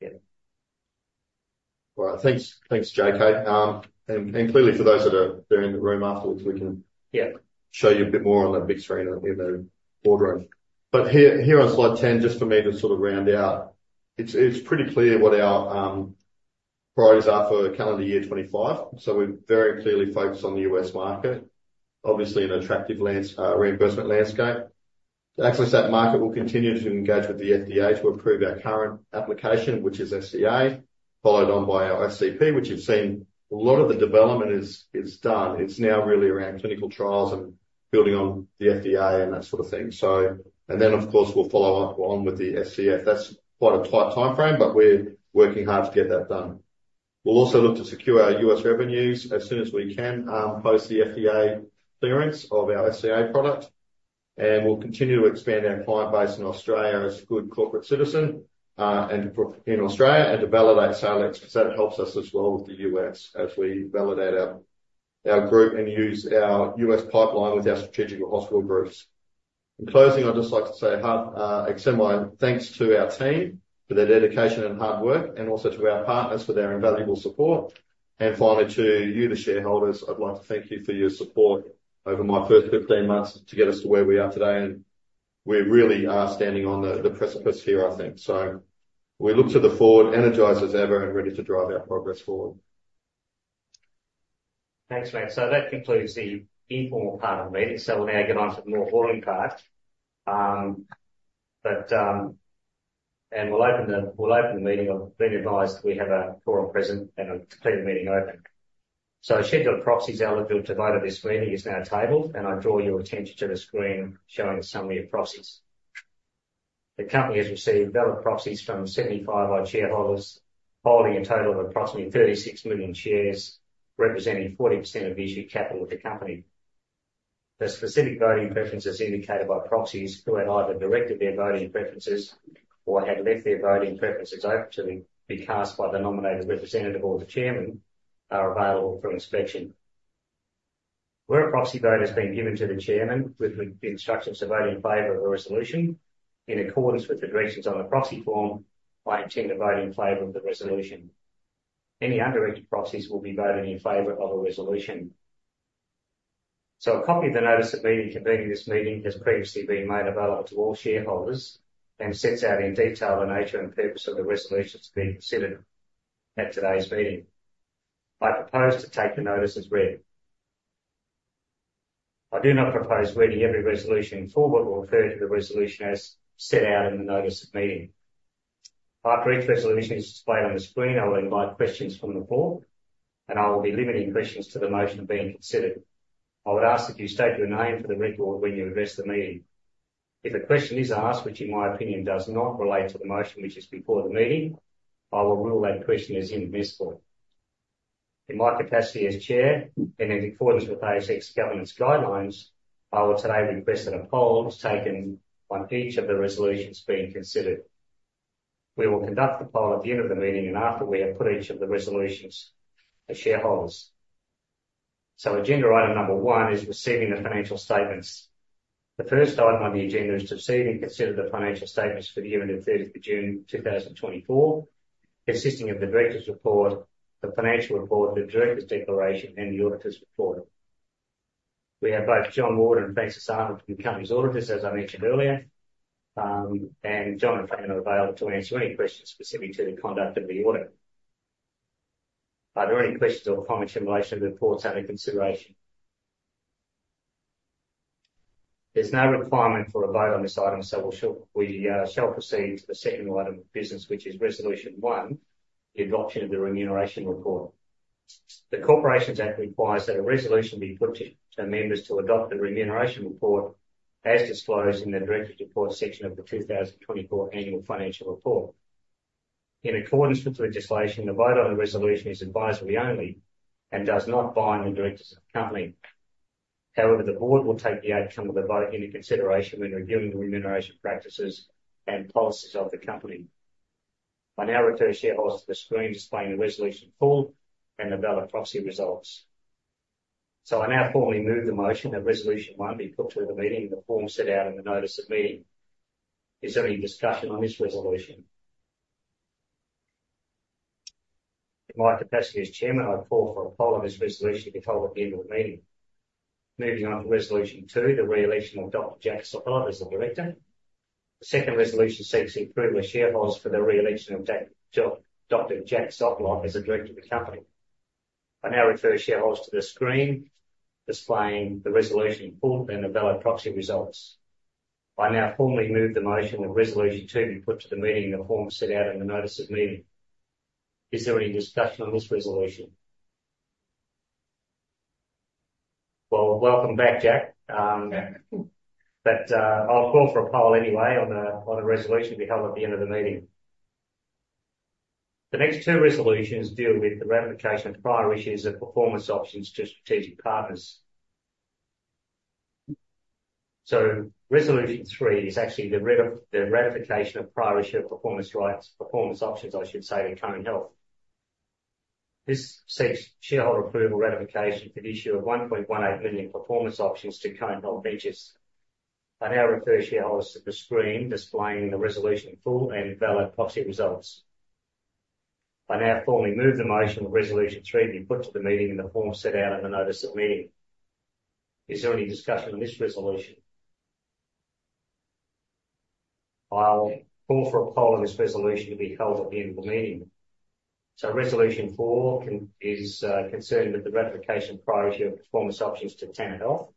Yeah. All right. Thanks, JK. And clearly, for those that are in the room afterwards, we can show you a bit more on the big screen in the boardroom. But here on slide 10, just for me to sort of round out, it's pretty clear what our priorities are for calendar year 2025. So we're very clearly focused on the US market, obviously an attractive reimbursement landscape. Actually, that market will continue to engage with the FDA to approve our current application, which is SCA, followed on by our SCP, which you've seen a lot of the development is done. It's now really around clinical trials and building on the FDA and that sort of thing. And then, of course, we'll follow on with the SCF. That's quite a tight timeframe, but we're working hard to get that done. We'll also look to secure our U.S. revenues as soon as we can post the FDA clearance of our SCA product. And we'll continue to expand our client base in Australia as a good corporate citizen in Australia and to validate Salix because that helps us as well with the U.S. as we validate our group and use our U.S. pipeline with our strategic hospital groups. In closing, I'd just like to say sincere thanks to our team for their dedication and hard work and also to our partners for their invaluable support. And finally, to you, the shareholders, I'd like to thank you for your support over my first 15 months to get us to where we are today. And we really are standing on the precipice here, I think. So we look forward, energized as ever, and ready to drive our progress forward. Thanks, Matt. So that concludes the informal part of the meeting. So we'll now get on to the more boring part. And we'll open the meeting. I've been advised we have a forum present and a complete meeting open. So the proxies eligible to vote at this meeting is now tabled. And I draw your attention to the screen showing a summary of proxies. The company has received valid proxies from 75-odd shareholders, holding a total of approximately 36 million shares, representing 40% of issue capital of the company. The specific voting preferences indicated by proxies who had either directed their voting preferences or had left their voting preferences open to be cast by the nominated representative or the chairman are available for inspection. Where a proxy vote has been given to the chairman with the instructions to vote in favor of a resolution in accordance with the directions on the proxy form, I intend to vote in favor of the resolution. Any undirected proxies will be voted in favor of a resolution. So a copy of the Notice of Meeting convening this meeting has previously been made available to all shareholders and sets out in detail the nature and purpose of the resolutions being considered at today's meeting. I propose to take the notice as read. I do not propose reading every resolution in full but will refer to the resolution as set out in the Notice of Meeting. After each resolution is displayed on the screen, I will invite questions from the Board, and I will be limiting questions to the motion being considered. I would ask that you state your name for the record when you address the meeting. If a question is asked, which in my opinion does not relate to the motion which is before the meeting, I will rule that question is inadmissible. In my capacity as Chair, and in accordance with ASX Governance Guidelines, I will today request that a poll is taken on each of the resolutions being considered. We will conduct the poll at the end of the meeting and after we have put each of the resolutions to shareholders. So agenda item number one is receiving the financial statements. The first item on the agenda is to receive and consider the financial statements for the year ended 30th of June 2024, consisting of the director's report, the financial report, the director's declaration, and the auditor's report. We have both John Ward and Frances Arnold from the company's auditors, as I mentioned earlier. John and Fran are available to answer any questions specific to the conduct of the audit. Are there any questions or comments in relation to the reports under consideration? There's no requirement for a vote on this item, so we shall proceed to the second item of business, which is resolution one, the adoption of the remuneration report. The Corporations Act requires that a resolution be put to members to adopt the remuneration report as disclosed in the director's report section of the 2024 annual financial report. In accordance with the legislation, the vote on the resolution is advisory only and does not bind the directors of the company. However, the Board will take the outcome of the vote into consideration when reviewing the remuneration practices and policies of the company. I now refer shareholders to the screen displaying the resolution in full and the valid proxy results. So I now formally move the motion that resolution one be put to the meeting in the form set out in the Notice of Meeting. Is there any discussion on this resolution? In my capacity as Chairman, I call for a poll on this resolution to be held at the end of the meeting. Moving on to resolution two, the re-election of Dr. Jacques Sokolov as the director. The second resolution seeks the approval of shareholders for the re-election of Dr. Jacques Sokolov as the director of the company. I now refer shareholders to the screen displaying the resolution in full and the valid proxy results. I now formally move the motion that resolution two be put to the meeting in the form set out in the Notice of Meeting. Is there any discussion on this resolution? Well, welcome back, Jack. But I'll call for a poll anyway on a resolution to be held at the end of the meeting. The next two resolutions deal with the ratification of prior issues of performance options to strategic partners. So resolution three is actually the ratification of prior issue of performance rights, performance options, I should say, to Cone Health. This seeks shareholder approval ratification for the issue of 1.18 million performance options to Cone Health Ventures. I now refer shareholders to the screen displaying the resolution full and valid proxy results. I now formally move the motion that resolution three be put to the meeting in the form set out in the Notice of Meeting. Is there any discussion on this resolution? I'll call for a poll on this resolution to be held at the end of the meeting. So, resolution four is concerned with the ratification of prior issue of performance options to Tanner Health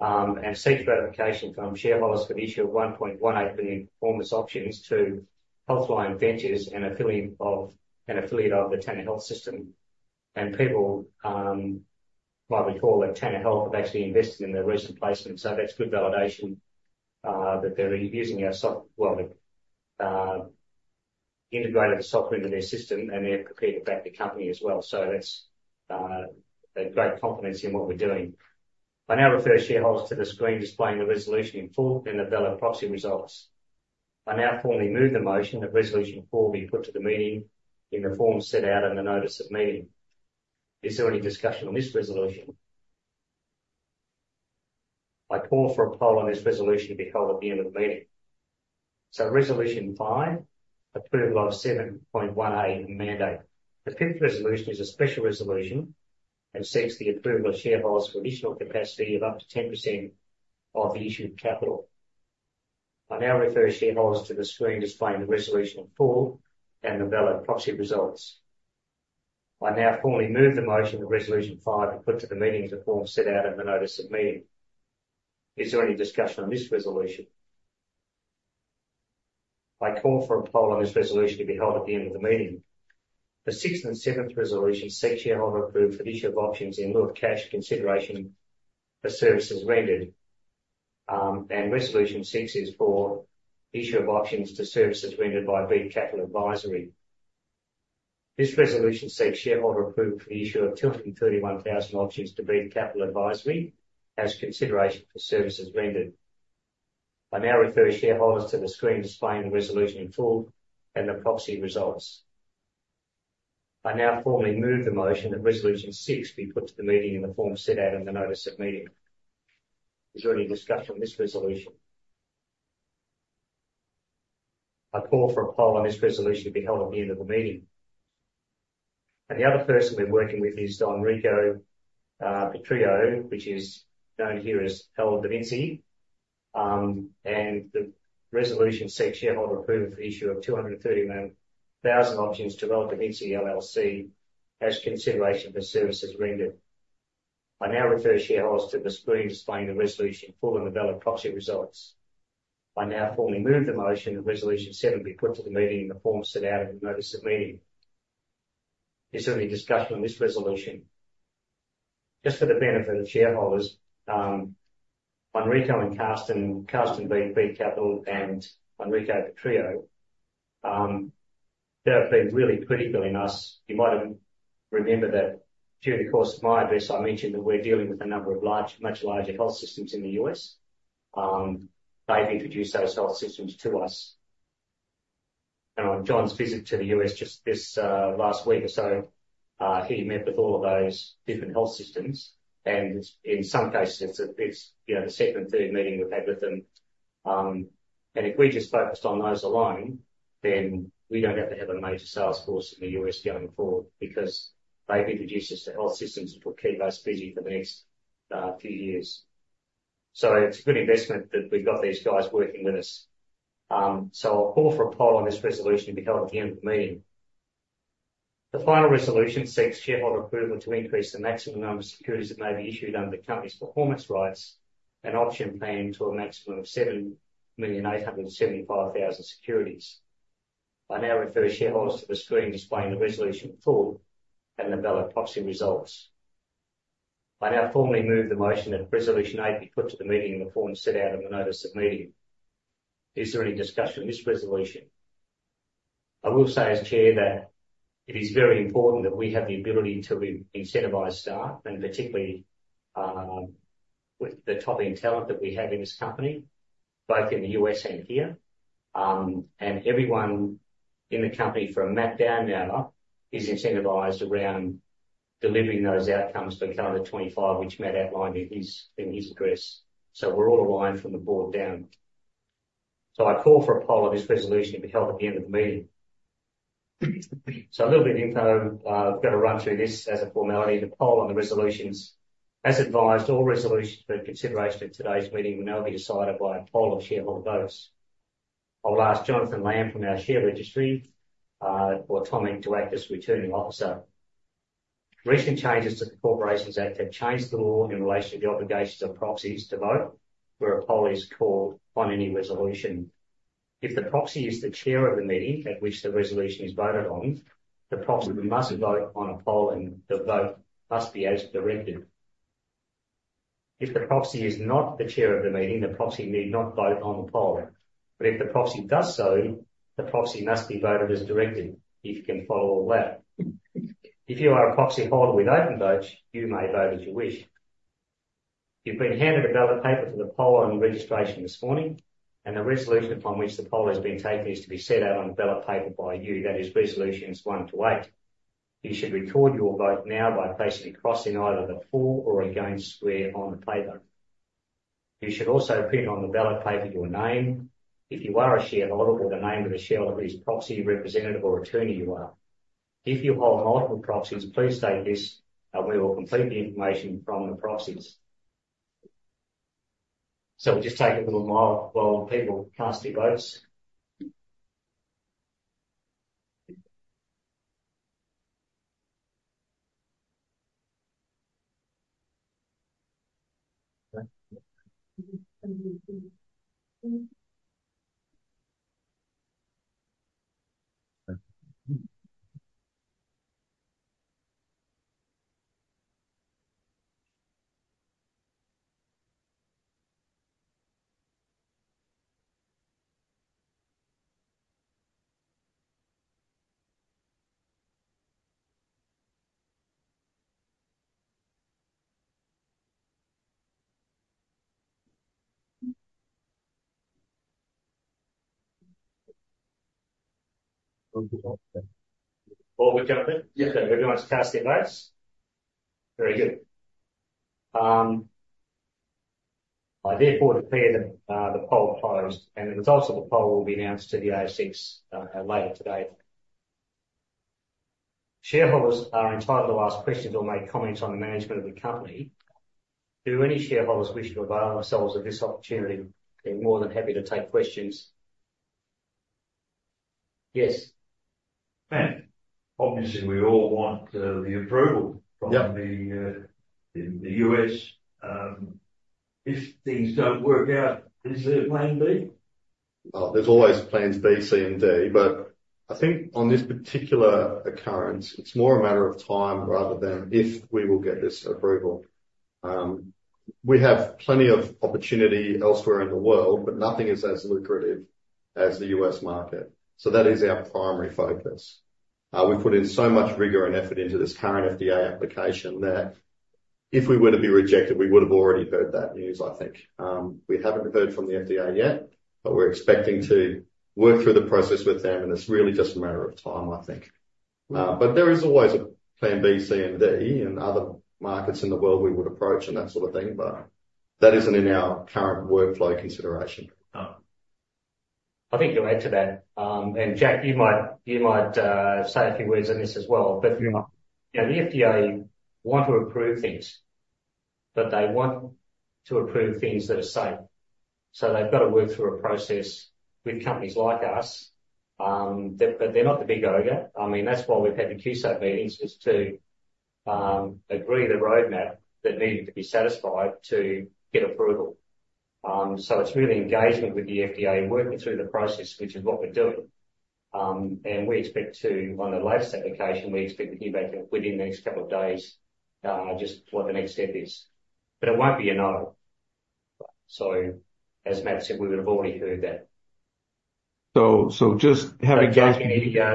and seeks ratification from shareholders for the issue of 1.18 million performance options to HealthLiant Ventures, an affiliate of the Tanner Health System. And people, like we call it, Tanner Health have actually invested in their recent placement. So that's good validation that they're using our integrated software into their system, and they're prepared to back the company as well. So that's a great compliment in what we're doing. I now refer shareholders to the screen displaying the resolution in full and the valid proxy results. I now formally move the motion that resolution four be put to the meeting in the form set out in the Notice of Meeting. Is there any discussion on this resolution? I call for a poll on this resolution to be held at the end of the meeting. Resolution 5, approval of 7.1A mandate. The fifth resolution is a special resolution and seeks the approval of shareholders for additional capacity of up to 10% of the issued capital. I now refer shareholders to the screen displaying the resolution in full and the valid proxy results. I now formally move the motion that Resolution 5 be put to the meeting in the form set out in the Notice of Meeting. Is there any discussion on this resolution? I call for a poll on this resolution to be held at the end of the meeting. The sixth and seventh resolutions seek shareholder approval for the issue of options in lieu of cash consideration for services rendered, and Resolution 6 is for the issue of options to services rendered by Beat Capital Advisory. This resolution seeks shareholder approval for the issue of 231,000 options to Beat Capital Advisory as consideration for services rendered. I now refer shareholders to the screen displaying the resolution in full and the proxy results. I now formally move the motion that Resolution 6 be put to the meeting in the form set out in the Notice of Meeting. Is there any discussion on this resolution? I call for a poll on this resolution to be held at the end of the meeting. And the other person we're working with is Enrico Petrillo, which is known here as L. Da Vinci. And the resolution seeks shareholder approval for the issue of 231,000 options to L. Da Vinci LLC as consideration for services rendered. I now refer shareholders to the screen displaying the resolution in full and the valid proxy results. I now formally move the motion that Resolution 7 be put to the meeting in the form set out in the Notice of Meeting. Is there any discussion on this resolution? Just for the benefit of shareholders, Enrico and Carsten, Beat Capital, and Enrico Petrillo, they've been really critical in us. You might remember that during the course of my address, I mentioned that we're dealing with a number of much larger health systems in the US. They've introduced those health systems to us, and on John's visit to the US just this last week or so, he met with all of those different health systems, and in some cases, it's the second and third meeting we've had with them. And if we just focused on those alone, then we don't have to have a major sales force in the U.S. going forward because they've introduced us to health systems and keeps us busy for the next few years. So it's a good investment that we've got these guys working with us. So I'll call for a poll on this resolution to be held at the end of the meeting. The final resolution seeks shareholder approval to increase the maximum number of securities that may be issued under the company's Performance Rights and Option Plan to a maximum of 7,875,000 securities. I now refer shareholders to the screen displaying the resolution in full and the valid proxy results. I now formally move the motion that Resolution 8 be put to the meeting in the form set out in the Notice of Meeting. Is there any discussion on this resolution? I will say, as Chair, that it is very important that we have the ability to incentivize staff, and particularly with the top-end talent that we have in this company, both in the U.S. and here, and everyone in the company from top down, are incentivized around delivering those outcomes for calendar 2025, which Matt outlined in his address, so we're all aligned from the Board down, so I call for a poll on this resolution to be held at the end of the meeting, so a little bit of info. I've got to run through this as a formality. The poll on the resolutions, as advised, all resolutions for consideration at today's meeting will now be decided by a poll of shareholder votes. I'll ask Jonathan Lamb from our Automic Group to act as returning officer. Recent changes to the Corporations Act have changed the law in relation to the obligations of proxies to vote, where a poll is called on any resolution. If the proxy is the Chair of the meeting at which the resolution is voted on, the proxy must vote on a poll, and the vote must be as directed. If the proxy is not the Chair of the meeting, the proxy need not vote on the poll. But if the proxy does so, the proxy must be voted as directed. You can follow all that. If you are a proxy holder with open votes, you may vote as you wish. You've been handed a ballot paper for the poll on registration this morning, and the resolution upon which the poll has been taken is to be set out on a ballot paper by you. That is Resolutions 1 to 8. You should record your vote now by placing a cross in either the for or against square on the paper. You should also print on the ballot paper your name. If you are a proxy, the name of the shareholder for whom you are representative or attorney. If you hold multiple proxies, please state this, and we will complete the information from the proxies. So we'll just take a little while while people cast their votes. All with Jonathan? Yes, sir. Everyone's cast their votes? Very good. I therefore declare that the poll closed, and the results of the poll will be announced to the ASX later today. Shareholders are entitled to ask questions or make comments on the management of the company. Do any shareholders wish to avail themselves of this opportunity? They're more than happy to take questions. Yes. Obviously, we all want the approval from the U.S. If things don't work out, is there a plan B? There's always plans B, C, and D. But I think on this particular occurrence, it's more a matter of time rather than if we will get this approval. We have plenty of opportunity elsewhere in the world, but nothing is as lucrative as the U.S. market. So that is our primary focus. We've put in so much rigor and effort into this current FDA application that if we were to be rejected, we would have already heard that news, I think. We haven't heard from the FDA yet, but we're expecting to work through the process with them, and it's really just a matter of time, I think. But there is always a plan B, C, and D in other markets in the world we would approach and that sort of thing, but that isn't in our current workflow consideration. I think you'll add to that. And Jack, you might say a few words on this as well. But the FDA want to approve things, but they want to approve things that are safe. So they've got to work through a process with companies like us, but they're not the big ogre. I mean, that's why we've had the Q-Sub meetings, is to agree the roadmap that needed to be satisfied to get approval. So it's really engagement with the FDA and working through the process, which is what we're doing. And we expect to, on the latest application, we expect to hear back within the next couple of days just what the next step is. But it won't be another. So as Matt said, we would have already heard that. So just having gone through. Jack,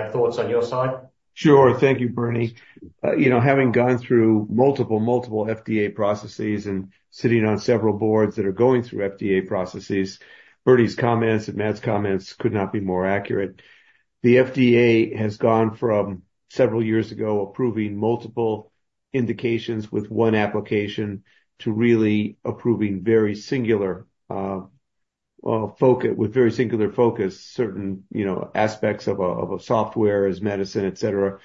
any thoughts on your side? Sure. Thank you, Bernie. Having gone through multiple, multiple FDA processes and sitting on several Boards that are going through FDA processes, Bernie's comments and Matt's comments could not be more accurate. The FDA has gone from several years ago approving multiple indications with one application to really approving very singular focus with very singular focus, certain aspects of a software as medicine, etc.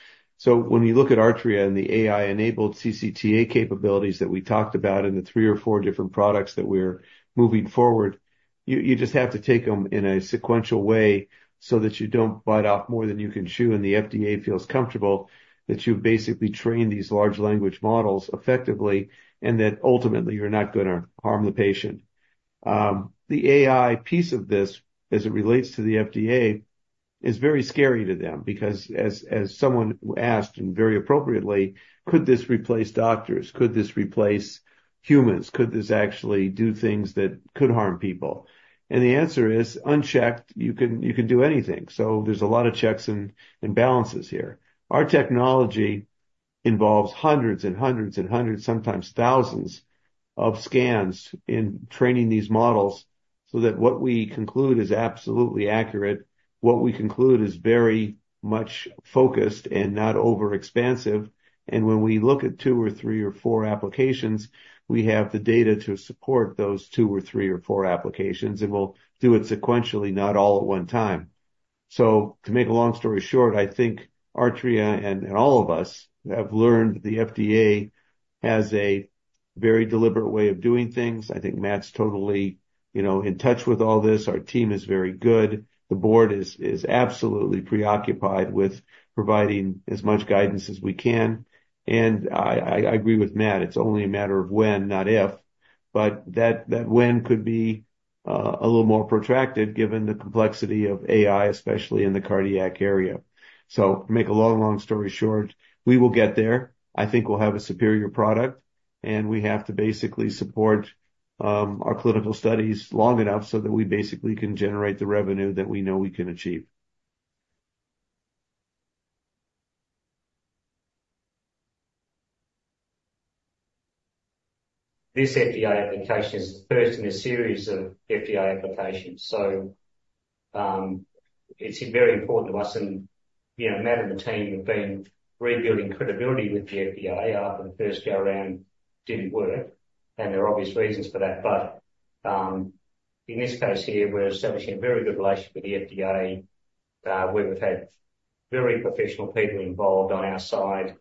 When you look at Artrya and the AI-enabled CCTA capabilities that we talked about and the three or four different products that we're moving forward, you just have to take them in a sequential way so that you don't bite off more than you can chew and the FDA feels comfortable that you've basically trained these large language models effectively and that ultimately you're not going to harm the patient. The AI piece of this, as it relates to the FDA, is very scary to them because, as someone asked and very appropriately, could this replace doctors? Could this replace humans? Could this actually do things that could harm people? And the answer is, unchecked, you can do anything. There's a lot of checks and balances here. Our technology involves hundreds and hundreds and hundreds, sometimes thousands of scans in training these models so that what we conclude is absolutely accurate. What we conclude is very much focused and not overexpansive, and when we look at two or three or four applications, we have the data to support those two or three or four applications, and we'll do it sequentially, not all at one time, so to make a long story short, I think Artrya and all of us have learned the FDA has a very deliberate way of doing things. I think Matt's totally in touch with all this. Our team is very good. The Board is absolutely preoccupied with providing as much guidance as we can, and I agree with Matt. It's only a matter of when, not if. But that when could be a little more protracted given the complexity of AI, especially in the cardiac area. So to make a long, long story short, we will get there. I think we'll have a superior product, and we have to basically support our clinical studies long enough so that we basically can generate the revenue that we know we can achieve. This FDA application is the first in a series of FDA applications. So it's very important to us. And Matt and the team have been rebuilding credibility with the FDA. The first go around didn't work, and there are obvious reasons for that. But in this case here, we're establishing a very good relationship with the FDA, where we've had very professional people involved on our side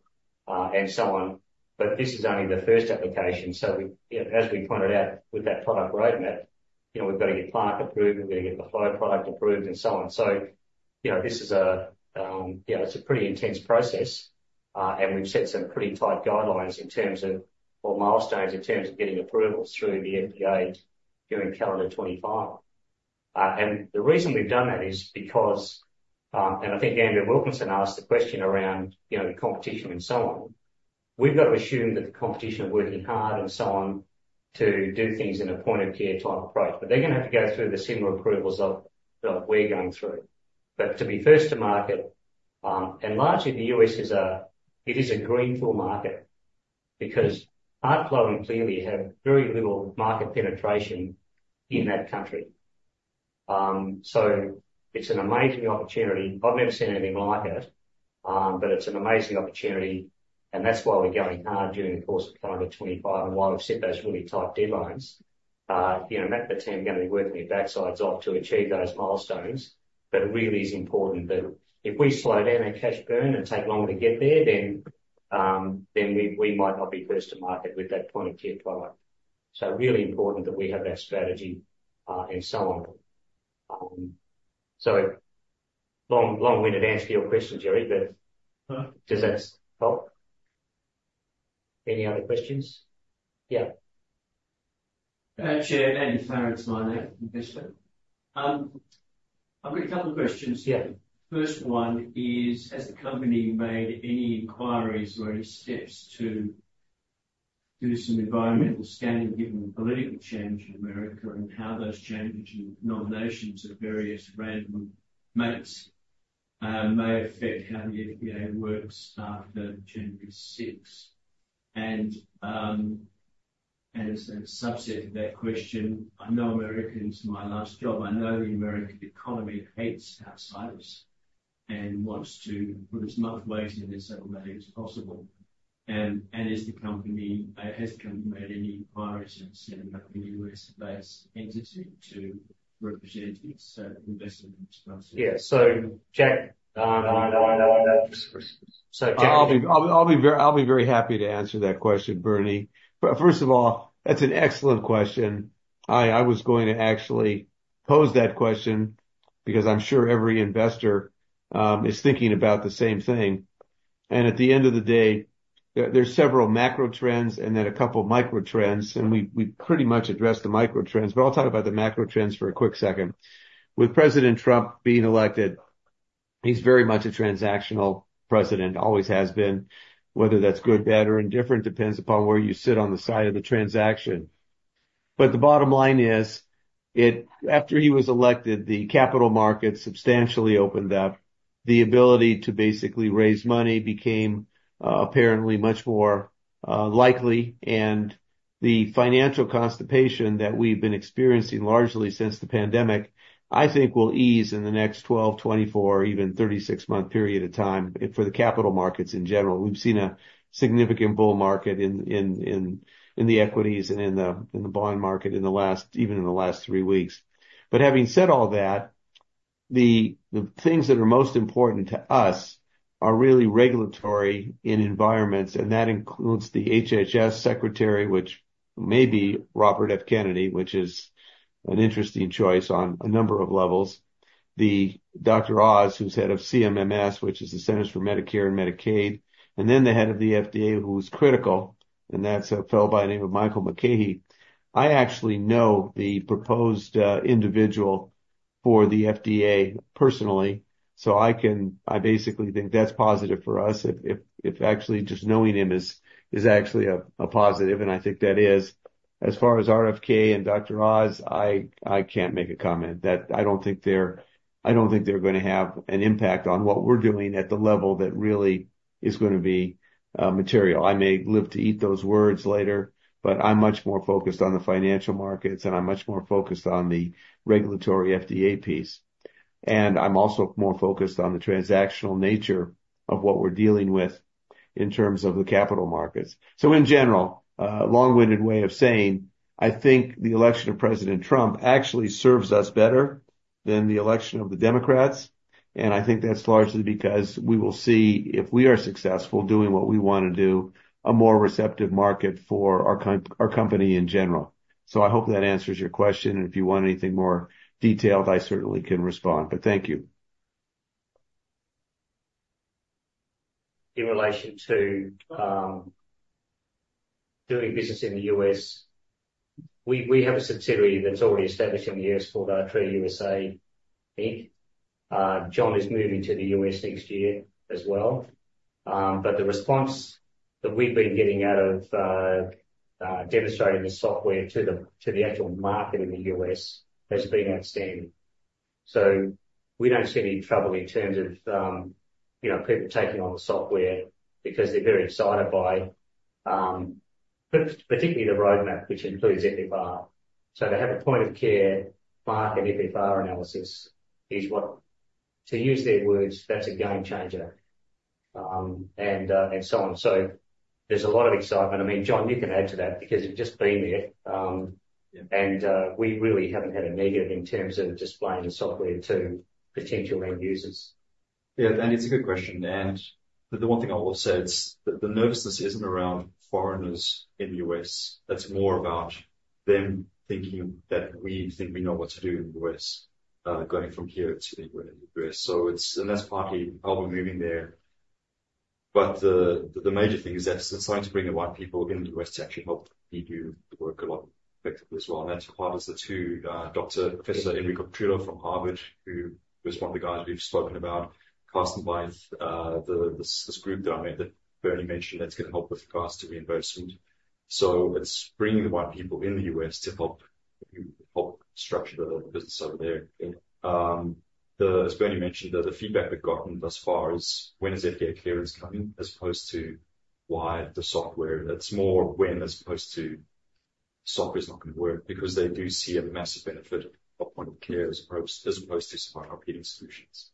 and so on. But this is only the first application. So as we pointed out with that product roadmap, we've got to get product approved. We've got to get the flow product approved and so on. So this is a pretty intense process, and we've set some pretty tight guidelines in terms of or milestones in terms of getting approvals through the FDA during calendar 2025. And the reason we've done that is because, and I think Andrew Wilkinson asked the question around competition and so on, we've got to assume that the competition is working hard and so on to do things in a point-of-care type approach. But they're going to have to go through the similar approvals that we're going through. But to be first to market, and largely the US, it is a greenfield market because HeartFlow clearly have very little market penetration in that country. So it's an amazing opportunity. I've never seen anything like it, but it's an amazing opportunity. And that's why we're going hard during the course of calendar 2025 and why we've set those really tight deadlines. Matt and the team are going to be working their backsides off to achieve those milestones. But it really is important that if we slow down our cash burn and take longer to get there, then we might not be first to market with that point-of-care product. So really important that we have that strategy and so on. So long-winded answer to your question, Jerry, but does that help? Any other questions? Yeah. Chair, and thanks for my name. I've got a couple of questions. First one is, has the company made any inquiries or any steps to do some environmental standards given the political change in America and how those changes in nominations of various random mates may affect how the FDA works after January 6? And as a subset of that question, I know Americans from my last job. I know the American economy hates outsiders and wants to put as much weight in it as many as possible. And has the company made any inquiries and sending up a U.S.-based entity to represent its investment? Yeah. So Jack. I'll be very happy to answer that question, Bernie. First of all, that's an excellent question. I was going to actually pose that question because I'm sure every investor is thinking about the same thing. At the end of the day, there's several macro trends and then a couple of micro trends, and we pretty much address the micro trends. I'll talk about the macro trends for a quick second. With President Trump being elected, he's very much a transactional president, always has been. Whether that's good, bad, or indifferent depends upon where you sit on the side of the transaction. The bottom line is, after he was elected, the capital markets substantially opened up. The ability to basically raise money became apparently much more likely. The financial constipation that we've been experiencing largely since the pandemic, I think, will ease in the next 12, 24, even 36-month period of time for the capital markets in general. We've seen a significant bull market in the equities and in the bond market even in the last three weeks. But having said all that, the things that are most important to us are really regulatory environments. And that includes the HHS secretary, which may be Robert F. Kennedy, which is an interesting choice on a number of levels. Dr. Oz, who's head of CMS, which is the Centers for Medicare and Medicaid, and then the head of the FDA, who's critical, and that's a fellow by the name of Marty Makary. I actually know the proposed individual for the FDA personally, so I basically think that's positive for us if actually just knowing him is actually a positive. And I think that is. As far as RFK and Dr. Oz, I can't make a comment. I don't think they're going to have an impact on what we're doing at the level that really is going to be material. I may live to eat those words later, but I'm much more focused on the financial markets, and I'm much more focused on the regulatory FDA piece, and I'm also more focused on the transactional nature of what we're dealing with in terms of the capital markets. So in general, long-winded way of saying, I think the election of President Trump actually serves us better than the election of the Democrats, and I think that's largely because we will see, if we are successful doing what we want to do, a more receptive market for our company in general, so I hope that answers your question. And if you want anything more detailed, I certainly can respond, but thank you. In relation to doing business in the U.S., we have a subsidiary that's already established in the U.S. called Artrya USA Inc. John is moving to the U.S. next year as well, but the response that we've been getting out of demonstrating the software to the actual market in the U.S. has been outstanding, so we don't see any trouble in terms of people taking on the software because they're very excited by, particularly, the roadmap, which includes FFR. To have a point-of-care market FFR analysis is what, to use their words, that's a game changer, and so on, so there's a lot of excitement. I mean, John, you can add to that because you've just been there, and we really haven't had a negative in terms of displaying the software to potential end users. Yeah, and it's a good question, and the one thing I will say is that the nervousness isn't around foreigners in the U.S. That's more about them thinking that we think we know what to do in the US going from here to the US. That's partly how we're moving there. The major thing is that it's starting to bring the right people in the US to actually help you do the work a lot effectively as well. That's part of the two, Dr. Professor Enrico Petrillo from Harvard, who is one of the guys we've spoken about, Carsten Weiss, this group that Bernie mentioned, that's going to help with cost reimbursement. It's bringing the right people in the US to help structure the business over there. As Bernie mentioned, the feedback we've gotten thus far is, when is FDA clearance coming, as opposed to why the software? It's more when, as opposed to software, is not going to work because they do see a massive benefit of point-of-care as opposed to smart operating solutions.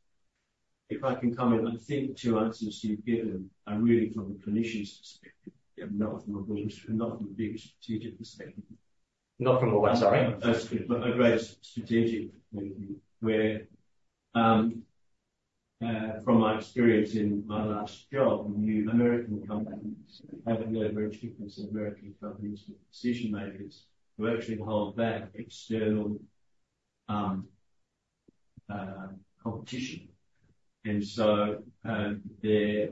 If I can come in, I think two answers you've given. I'm really from a clinician's perspective. Not from a big strategic perspective. Not from a what, sorry? A greater strategic perspective. From my experience in my last job, non-American companies have very different American companies with decision makers who actually hold back external competition, and so there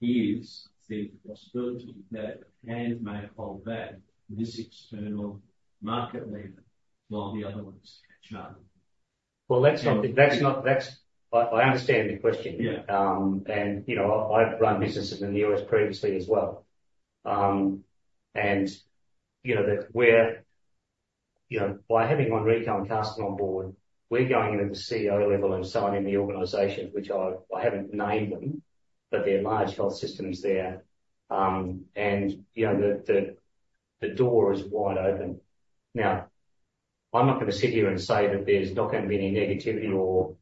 is the possibility that hand may hold back this external market leader while the other ones catch up. That's not, that's not. That's. I understand the question. I've run businesses in the US previously as well. By having Enrico and Carsten on board, we're going into the CEO level and someone in the organization, which I haven't named them, but they're large health systems there, and the door is wide open. Now, I'm not going to sit here and say that there's not going to be any negativity or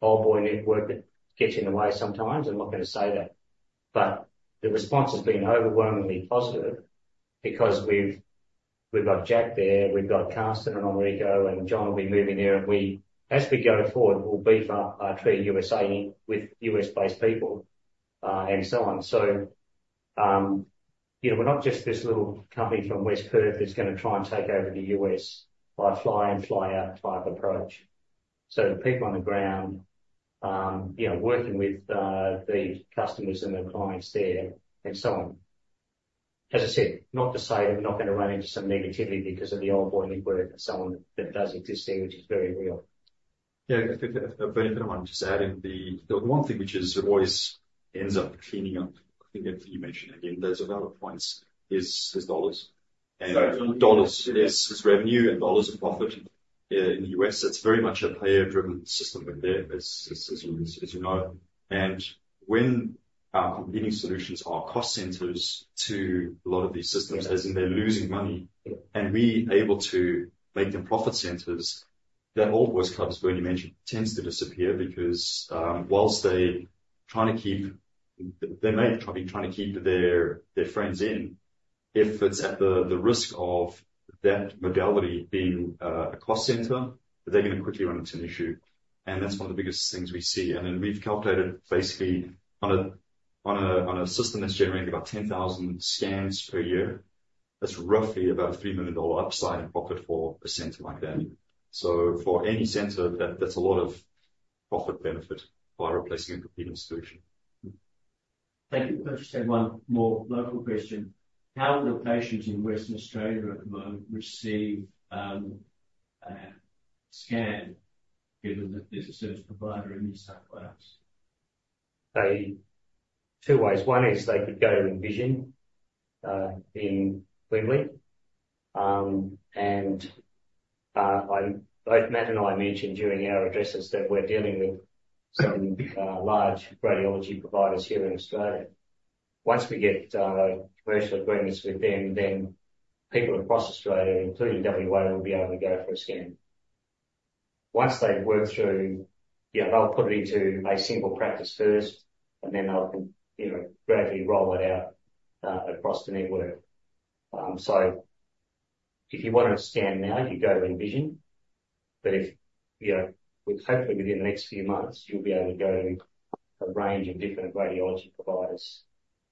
old boy network that gets in the way sometimes. I'm not going to say that, but the response has been overwhelmingly positive because we've got Jack there. We've got Carsten and Enrico, and John will be moving there, and as we go forward, we'll beef up Artrya USA with US-based people and so on, so we're not just this little company from West Perth that's going to try and take over the US by fly in, fly out type approach. So people on the ground, working with the customers and the clients there and so on. As I said, not to say that we're not going to run into some negativity because of the old boy network and so on that does exist here, which is very real. Yeah. If I can just add in the one thing which always ends up cleaning up, I think you mentioned again, those are valid points, is dollars. And dollars is revenue and dollars are profit in the U.S. It's very much a payer-driven system over there, as you know. And when our competing solutions are cost centers to a lot of these systems, as in they're losing money, and we are able to make them profit centers, that old boy network, Bernie mentioned, tends to disappear because while they're trying to keep, they may be trying to keep their friends in, if it's at the risk of that modality being a cost center, they're going to quickly run into an issue. That's one of the biggest things we see. We've calculated basically on a system that's generating about 10,000 scans per year, that's roughly about a $3 million upside in profit for a center like that. So for any center, that's a lot of profit benefit by replacing a competing solution. Thank you. I just had one more local question. How will patients in Western Australia at the moment receive scan given that there's a service provider in these type of labs? Two ways. One is they could go and visit Envision Medical Imaging. And both Matt and I mentioned during our addresses that we're dealing with some large radiology providers here in Australia. Once we get commercial agreements with them, then people across Australia, including WA, will be able to go for a scan. Once they've worked through, they'll put it into a single practice first, and then they'll gradually roll it out across the network. So if you want to scan now, you go and visit. But hopefully, within the next few months, you'll be able to go to a range of different radiology providers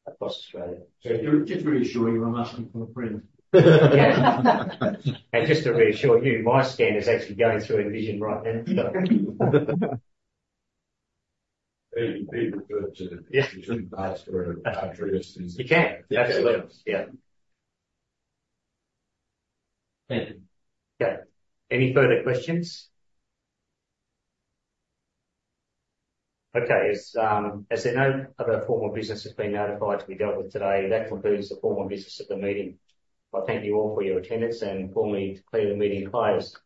across Australia. Just to reassure you, I'm asking for a friend. And just to reassure you, my scan is actually going through, and it's right now. You can refer to the addresses. You can. Absolutely. Yeah. Thank you. Okay. Any further questions? Okay. As I know of, no other formal business has been notified to be dealt with today. That concludes the formal business of the meeting. I thank you all for your attendance and formally declare the meeting closed.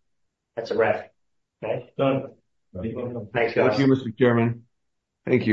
That's a wrap. Okay? Done. Thank you. Thank you, Mr. Chairman. Thank you.